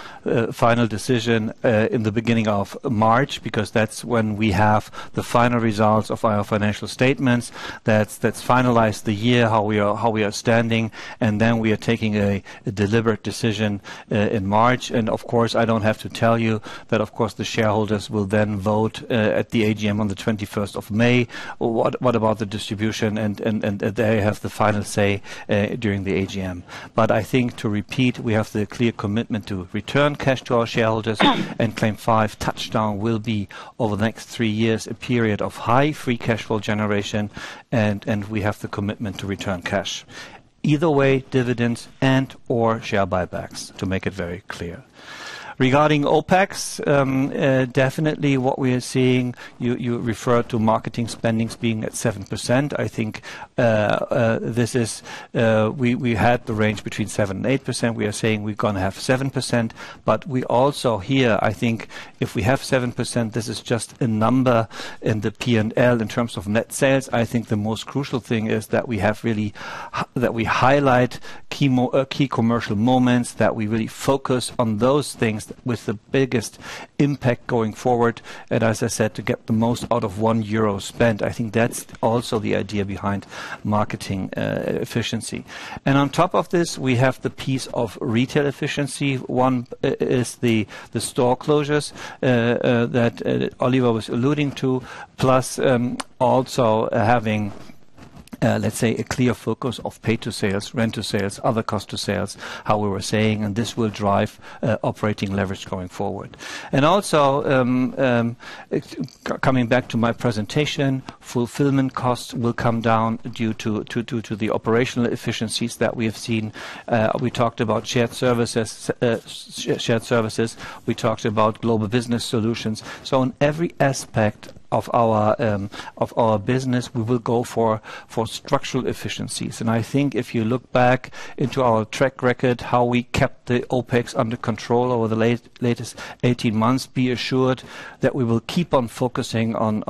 D: final decision in the beginning of March because that's when we have the final results of our financial statements. That's finalized the year, how we are standing. Then we are taking a deliberate decision in March. Of course, I don't have to tell you that, of course, the shareholders will then vote at the AGM on the 21st of May. What about the distribution? They have the final say during the AGM. I think to repeat, we have the clear commitment to return cash to our shareholders. CLAIM 5 TOUCHDOWN will be over the next three years, a period of high free cash flow generation. We have the commitment to return cash, either way, dividends and/or share buybacks to make it very clear. Regarding OpEx, definitely what we are seeing, you referred to marketing spending being at 7%. I think this is we had the range between 7% and 8%. We are saying we're going to have 7%. But we also here, I think if we have 7%, this is just a number in the P&L in terms of net sales. I think the most crucial thing is that we have really that we highlight key commercial moments, that we really focus on those things with the biggest impact going forward. As I said, to get the most out of one euro spent, I think that's also the idea behind marketing efficiency. On top of this, we have the piece of retail efficiency. One is the store closures that Oliver was alluding to, plus also having, let's say, a clear focus of pay to sales, rent to sales, other cost to sales, how we were saying, and this will drive operating leverage going forward. Also coming back to my presentation, fulfillment costs will come down due to the operational efficiencies that we have seen. We talked about shared services, shared services. We talked about global business solutions. In every aspect of our business, we will go for structural efficiencies. I think if you look back into our track record, how we kept the OpEx under control over the latest 18 months, be assured that we will keep on focusing on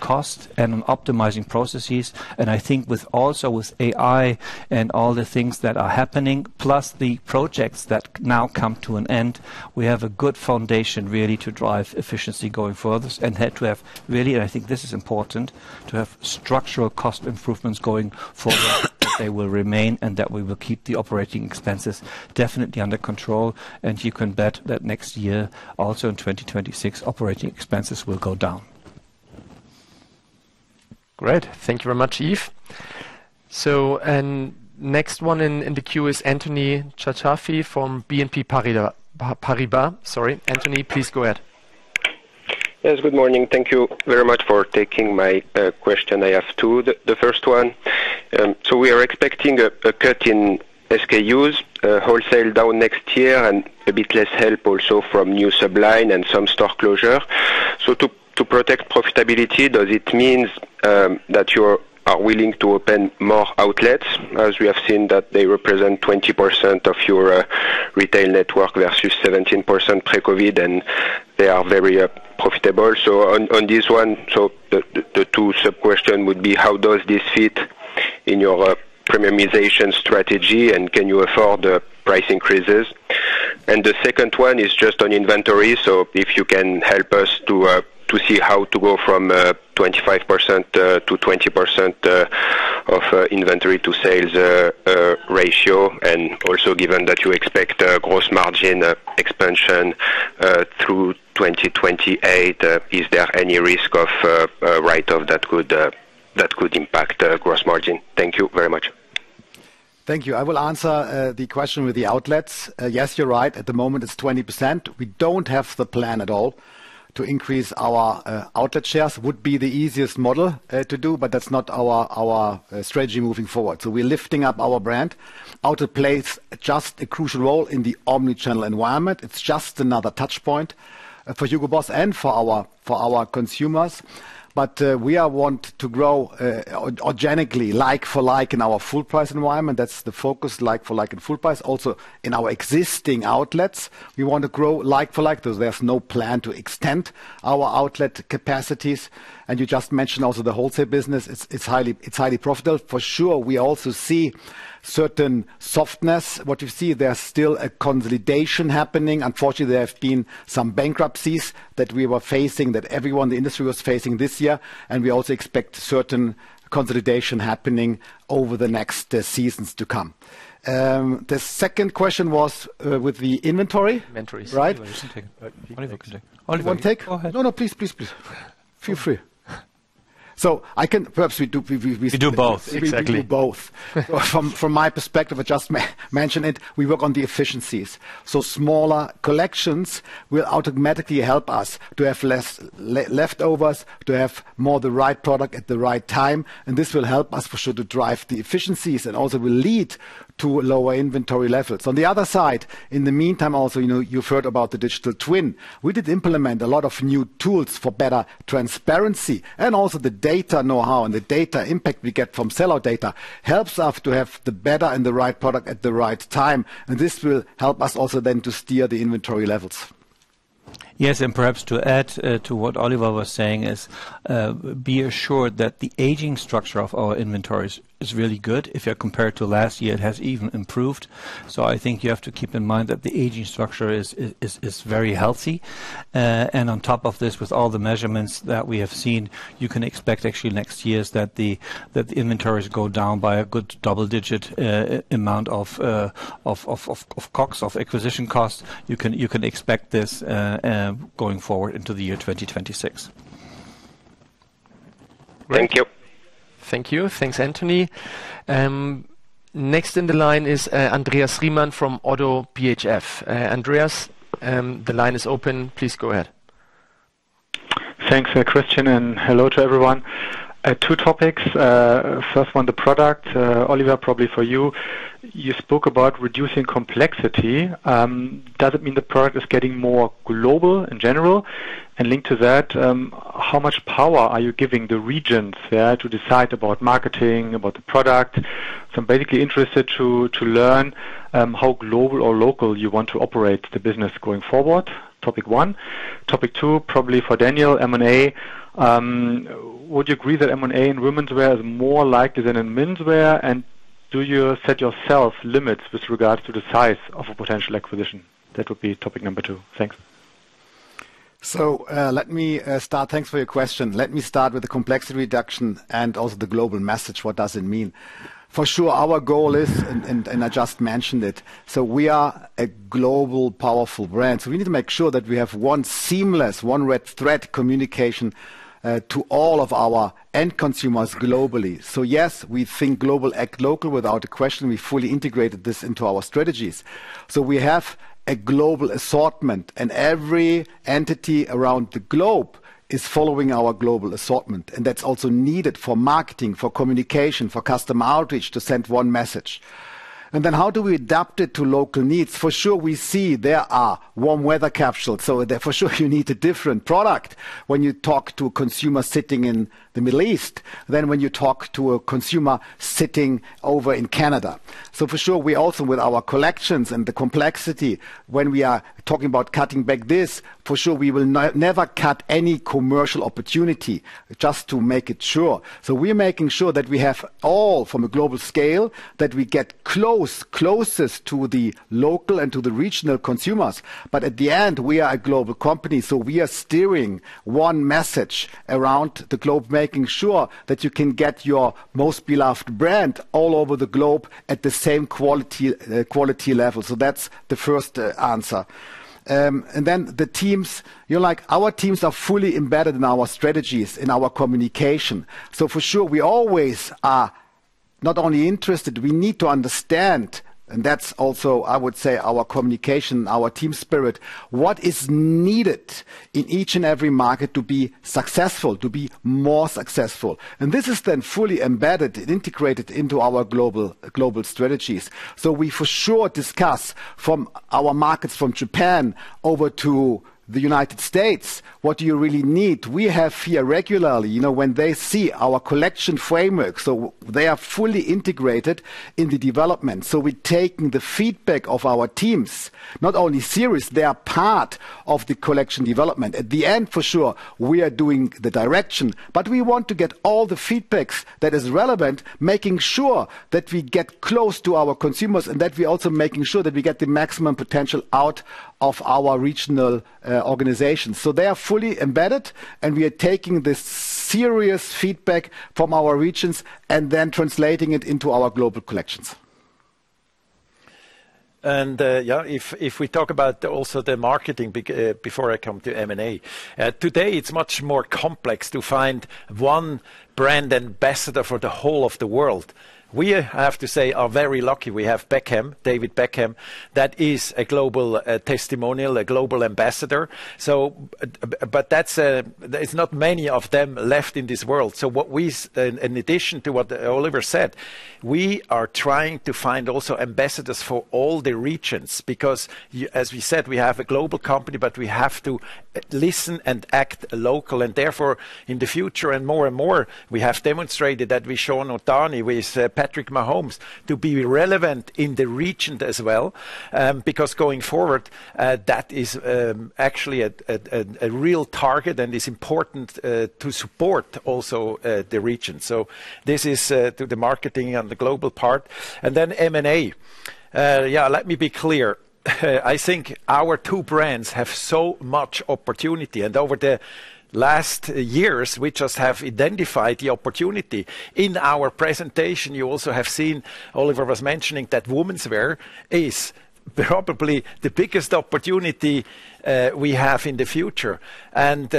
D: cost and on optimizing processes. And I think also with AI and all the things that are happening, plus the projects that now come to an end, we have a good foundation really to drive efficiency going forward and to have really, and I think this is important, to have structural cost improvements going forward that they will remain and that we will keep the operating expenses definitely under control. And you can bet that next year, also in 2026, operating expenses will go down.
A: Great. Thank you very much, Yves. So next one in the queue is Anthony Charchafji from BNP Paribas. Sorry, Anthony, please go ahead.
I: Yes, good morning. Thank you very much for taking my question. I have two. The first one, so we are expecting a cut in SKUs, wholesale down next year, and a bit less help also from new subline and some store closure.eSo to protect profitability, does it mean that you are willing to open more outlets as we have seen that they represent 20% of your retail network versus 17% pre-COVID, and they are very profitable? So on this one, so the two sub-questions would be, how does this fit in your premiumization strategy, and can you afford price increases? And the second one is just on inventory. So if you can help us to see how to go from 25% to 20% of inventory to sales ratio, and also given that you expect gross margin expansion through 2028, is there any risk of write-off that could impact gross margin? Thank you very much.
C: Thank you. I will answer the question with the outlets. Yes, you're right. At the moment, it's 20%. We don't have the plan at all to increase our outlet shares. It would be the easiest model to do, but that's not our strategy moving forward. So we're lifting up our brand. Outlet plays just a crucial role in the omnichannel environment. It's just another touchpoint for HUGO BOSS and for our consumers. But we want to grow organically, like-for-like in our full price environment. That's the focus, like-for-like and full price. Also in our existing outlets, we want to grow like-for-like. There's no plan to extend our outlet capacities. And you just mentioned also the wholesale business. It's highly profitable. For sure, we also see certain softness. What you see, there's still a consolidation happening. Unfortunately, there have been some bankruptcies that we were facing, that everyone, the industry was facing this year, and we also expect certain consolidation happening over the next seasons to come. The second question was with the inventory, right?
D: Inventory. One take.
C: One take? No, no, please, please, please. Feel free. So I can perhaps we do.
D: We do both, exactly.
C: We do both. From my perspective, I just mentioned it. We work on the efficiencies, so smaller collections will automatically help us to have less leftovers, to have more of the right product at the right time. And this will help us for sure to drive the efficiencies and also will lead to lower inventory levels. On the other side, in the meantime, also you've heard about the Digital Twin. We did implement a lot of new tools for better transparency. And also the data know-how and the data impact we get from seller data helps us to have the better and the right product at the right time. And this will help us also then to steer the inventory levels.
D: Yes, and perhaps to add to what Oliver was saying, be assured that the aging structure of our inventories is really good. If you compare it to last year, it has even improved. So I think you have to keep in mind that the aging structure is very healthy. And on top of this, with all the measurements that we have seen, you can expect actually next year that the inventories go down by a good double-digit amount of COGS, of acquisition costs. You can expect this going forward into the year 2026.
I: Thank you.
A: Thank you. Thanks, Anthony. Next in the line is Andreas Riemann from ODDO BHF. Andreas, the line is open. Please go ahead.
J: Thanks, Christian. And hello to everyone. Two topics. First one, the product. Oliver, probably for you. You spoke about reducing complexity. Does it mean the product is getting more global in general? And linked to that, how much power are you giving the regions to decide about marketing, about the product? So I'm basically interested to learn how global or local you want to operate the business going forward. Topic one. Topic two, probably for Daniel, M&A. Would you agree that M&A in women's wear is more likely than in men's wear? And do you set yourself limits with regards to the size of a potential acquisition? That would be topic number two. Thanks.
C: So let me start. Thanks for your question. Let me start with the complexity reduction and also the global message. What does it mean? For sure, our goal is, and I just mentioned it, so we are a global, powerful brand. We need to make sure that we have one seamless, one red thread communication to all of our end consumers globally. Yes, we think global, act local without a question. We fully integrated this into our strategies. We have a global assortment, and every entity around the globe is following our global assortment. And that's also needed for marketing, for communication, for customer outreach to send one message. And then how do we adapt it to local needs? For sure, we see there are warm weather capsules. So, for sure, you need a different product when you talk to a consumer sitting in the Middle East than when you talk to a consumer sitting over in Canada. So, for sure, we also with our collections and the complexity, when we are talking about cutting back this, for sure, we will never cut any commercial opportunity just to make sure. So, we're making sure that we have all from a global scale that we get closest to the local and to the regional consumers. But at the end, we are a global company. So, we are steering one message around the globe, making sure that you can get your most beloved brand all over the globe at the same quality level. So, that's the first answer. And then the teams, like, our teams are fully embedded in our strategies, in our communication. So for sure, we always are not only interested, we need to understand, and that's also, I would say, our communication, our team spirit, what is needed in each and every market to be successful, to be more successful. And this is then fully embedded and integrated into our global strategies. So we for sure discuss from our markets from Japan over to the United States, what do you really need? We have here regularly, you know, when they see our collection framework, so they are fully integrated in the development. So we're taking the feedback of our teams, not only series, they are part of the collection development. At the end, for sure, we are doing the direction, but we want to get all the feedbacks that are relevant, making sure that we get close to our consumers and that we're also making sure that we get the maximum potential out of our regional organizations. So they are fully embedded, and we are taking this serious feedback from our regions and then translating it into our global collections.
B: And yeah, if we talk about also the marketing before I come to M&A, today it's much more complex to find one brand ambassador for the whole of the world. We have to say we are very lucky. We have Beckham, David Beckham, that is a global testimonial, a global ambassador. But there's not many of them left in this world. So in addition to what Oliver said, we are trying to find also ambassadors for all the regions because, as we said, we have a global company, but we have to listen and act local. And therefore, in the future, and more and more, we have demonstrated that we show not only with Patrick Mahomes to be relevant in the region as well because going forward, that is actually a real target and is important to support also the region. So this is to the marketing on the global part. And then M&A, yeah, let me be clear. I think our two brands have so much opportunity. And over the last years, we just have identified the opportunity. In our presentation, you also have seen Oliver was mentioning that women's wear is probably the biggest opportunity we have in the future. And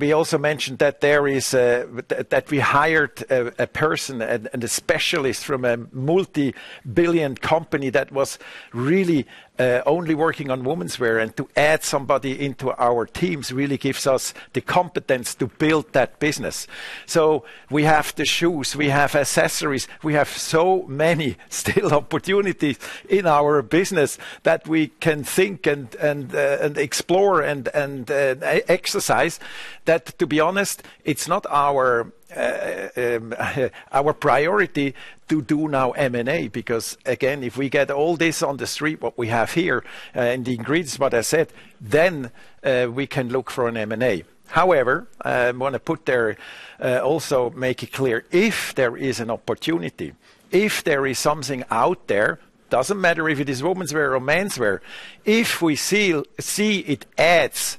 B: we also mentioned that we hired a person and a specialist from a multi-billion company that was really only working on women's wear. And to add somebody into our teams really gives us the competence to build that business. So we have the shoes, we have accessories. We have so many still opportunities in our business that we can think and explore and exercise that. To be honest, it's not our priority to do now M&A because, again, if we get all this on the street, what we have here and the ingredients, what I said, then we can look for an M&A. However, I want to put there also make it clear if there is an opportunity, if there is something out there, doesn't matter if it is women's wear or men's wear, if we see it adds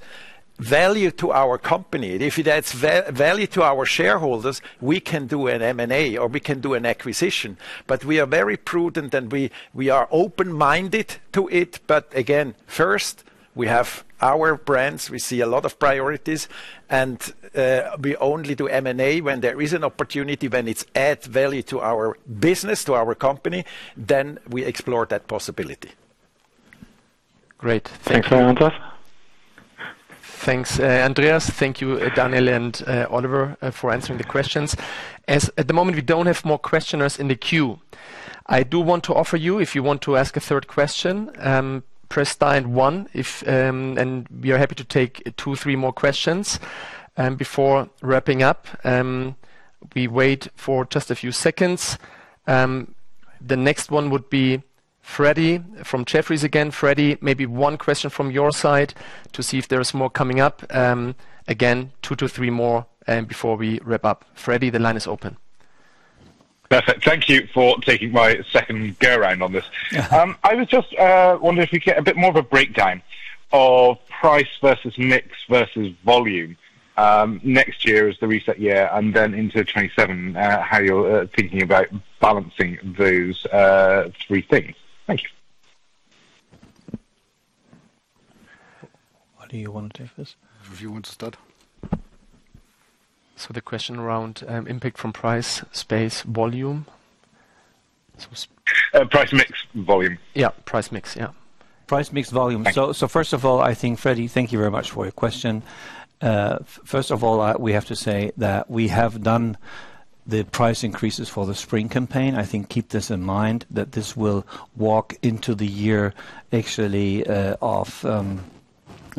B: value to our company, if it adds value to our shareholders, we can do an M&A or we can do an acquisition. But we are very prudent and we are open-minded to it. But again, first, we have our brands; we see a lot of priorities, and we only do M&A when there is an opportunity, when it adds value to our business, to our company, then we explore that possibility.
A: Great.
J: Thanks, Oliver.
A: Thanks, Andreas. Thank you, Daniel and Oliver, for answering the questions. At the moment, we don't have more questioners in the queue. I do want to offer you, if you want to ask a third question, press dial one, and we are happy to take two, three more questions before wrapping up. We wait for just a few seconds. The next one would be Freddie from Jefferies again. Freddie, maybe one question from your side to see if there's more coming up. Again, two to three more before we wrap up. Freddie, the line is open.
E: Perfect. Thank you for taking my second go around on this. I was just wondering if we get a bit more of a breakdown of price versus mix versus volume next year as the reset year and then into 2027, how you're thinking about balancing those three things. Thank you.
A: What do you want to do first?
C: If you want to start.
A: So the question around impact from price, space, volume.
J: Price mix, volume.
A: Yeah, price mix, yeah.
D: Price mix, volume. So first of all, I think, Freddie, thank you very much for your question. First of all, we have to say that we have done the price increases for the spring campaign. I think keep this in mind that this will walk into the year actually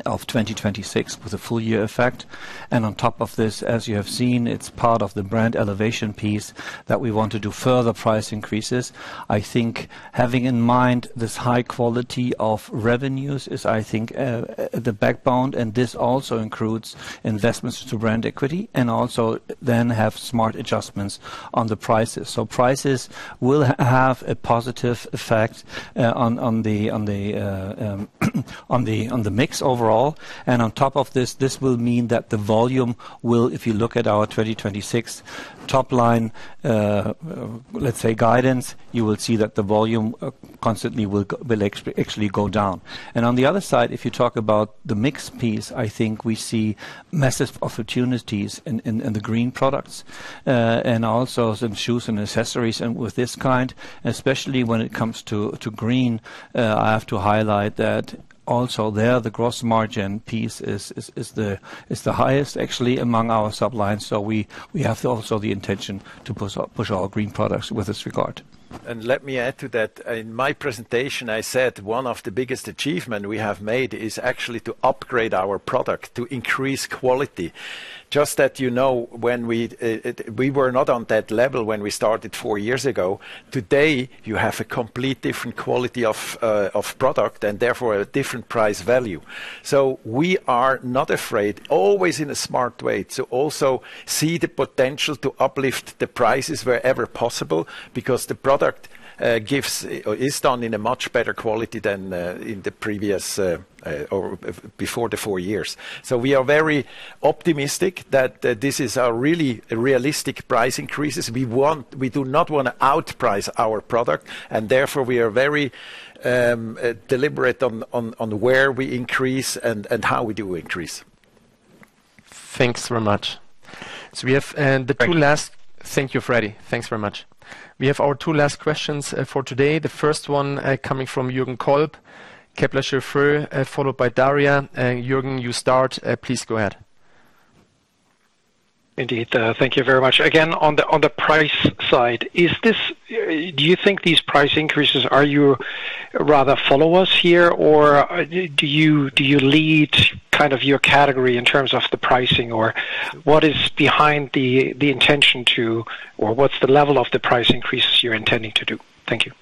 D: of 2026 with a full year effect. And on top of this, as you have seen, it is part of the brand elevation piece that we want to do further price increases. I think having in mind this high quality of revenues is, I think, the backbone, and this also includes investments to brand equity and also then have smart adjustments on the prices. So prices will have a positive effect on the mix overall. And on top of this, this will mean that the volume will, if you look at our 2026 top line, let's say guidance, you will see that the volume constantly will actually go down. And on the other side, if you talk about the mix piece, I think we see massive opportunities in the green products and also some shoes and accessories. And with this kind, especially when it comes to green, I have to highlight that also there the gross margin piece is the highest actually among our sublines. So we have also the intention to push our green products with this regard.
B: And let me add to that. In my presentation, I said one of the biggest achievements we have made is actually to upgrade our product to increase quality. Just that you know when we were not on that level when we started four years ago, today you have a complete different quality of product and therefore a different price value. So we are not afraid, always in a smart way to also see the potential to uplift the prices wherever possible because the product is done in a much better quality than in the previous or before the four years. So we are very optimistic that this is a really realistic price increases. We do not want to outprice our product and therefore we are very deliberate on where we increase and how we do increase.
A: Thanks very much. So we have the two last.
E: Thank you. Thank you, Freddie. Thanks very much. We have our two last questions for today. The first one coming from Jürgen Kolb, Kepler Cheuvreux, followed by Daria. Jürgen, you start. Please go ahead.
G: Indeed. Thank you very much. Again, on the price side, do you think these price increases, are you rather followers here or do you lead kind of your category in terms of the pricing or what is behind the intention to or what's the level of the price increases you're intending to do? Thank you.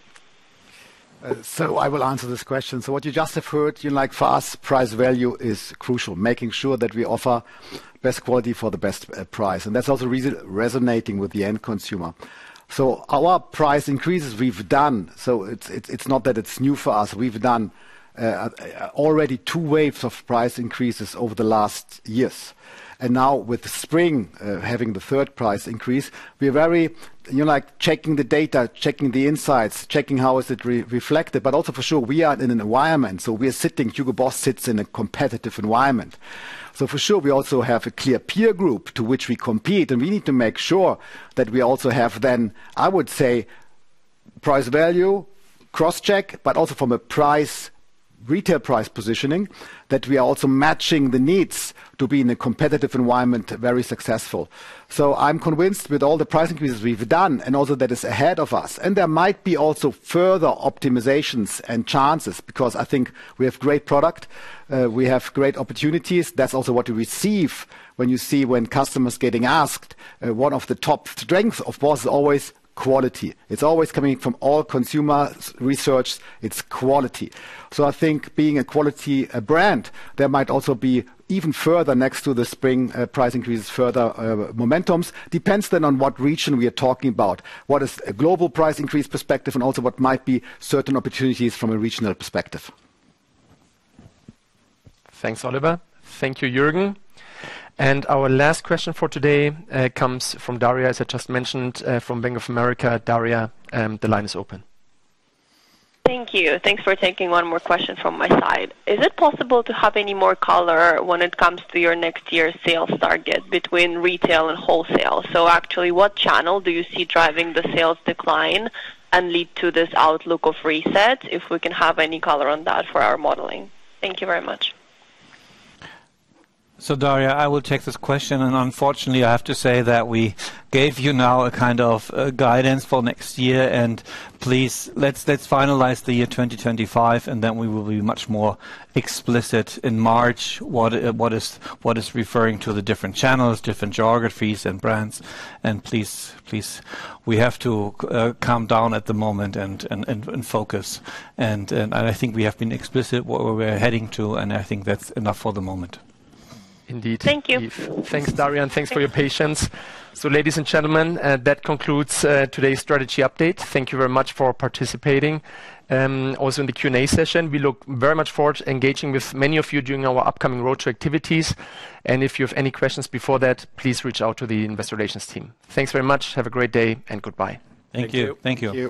C: I will answer this question. What you just have heard, you're like fast price value is crucial, making sure that we offer best quality for the best price. And that's also resonating with the end consumer. Our price increases we've done, so it's not that it's new for us. We've done already two waves of price increases over the last years. And now with the spring having the third price increase, we're very like checking the data, checking the insights, checking how is it reflected. But also for sure, we are in an environment. We are sitting, HUGO BOSS sits in a competitive environment. So for sure, we also have a clear peer group to which we compete. We need to make sure that we also have then, I would say, price value cross-check, but also from a price retail price positioning that we are also matching the needs to be in a competitive environment very successful. So I'm convinced with all the price increases we've done and also that is ahead of us. And there might be also further optimizations and chances because I think we have great product, we have great opportunities. That's also what you see when customers getting asked. One of the top strengths of BOSS is always quality. It's always coming from all consumer research. It's quality. So I think being a quality brand, there might also be even further next to the spring price increases, further momentums. Depends then on what region we are talking about, what is a global price increase perspective, and also what might be certain opportunities from a regional perspective.
A: Thanks, Oliver. Thank you, Jürgen. And our last question for today comes from Daria, as I just mentioned, from Bank of America. Daria, the line is open.
H: Thank you. Thanks for taking one more question from my side. Is it possible to have any more color when it comes to your next year's sales target between retail and wholesale? So actually, what channel do you see driving the sales decline and lead to this outlook of reset if we can have any color on that for our modeling? Thank you very much.
D: So Daria, I will take this question. And unfortunately, I have to say that we gave you now a kind of guidance for next year. And please, let's finalize the year 2025 and then we will be much more explicit in March what is referring to the different channels, different geographies and brands. And please, we have to calm down at the moment and focus. And I think we have been explicit where we're heading to, and I think that's enough for the moment.
A: Indeed.
H: Thank you.
A: Thanks, Daria. And thanks for your patience. So ladies and gentlemen, that concludes today's strategy update. Thank you very much for participating. Also in the Q&A session, we look very much forward to engaging with many of you during our upcoming road trip activities. And if you have any questions before that, please reach out to the investor relations team. Thanks very much. Have a great day and goodbye.
B: Thank you.
D: Thank you.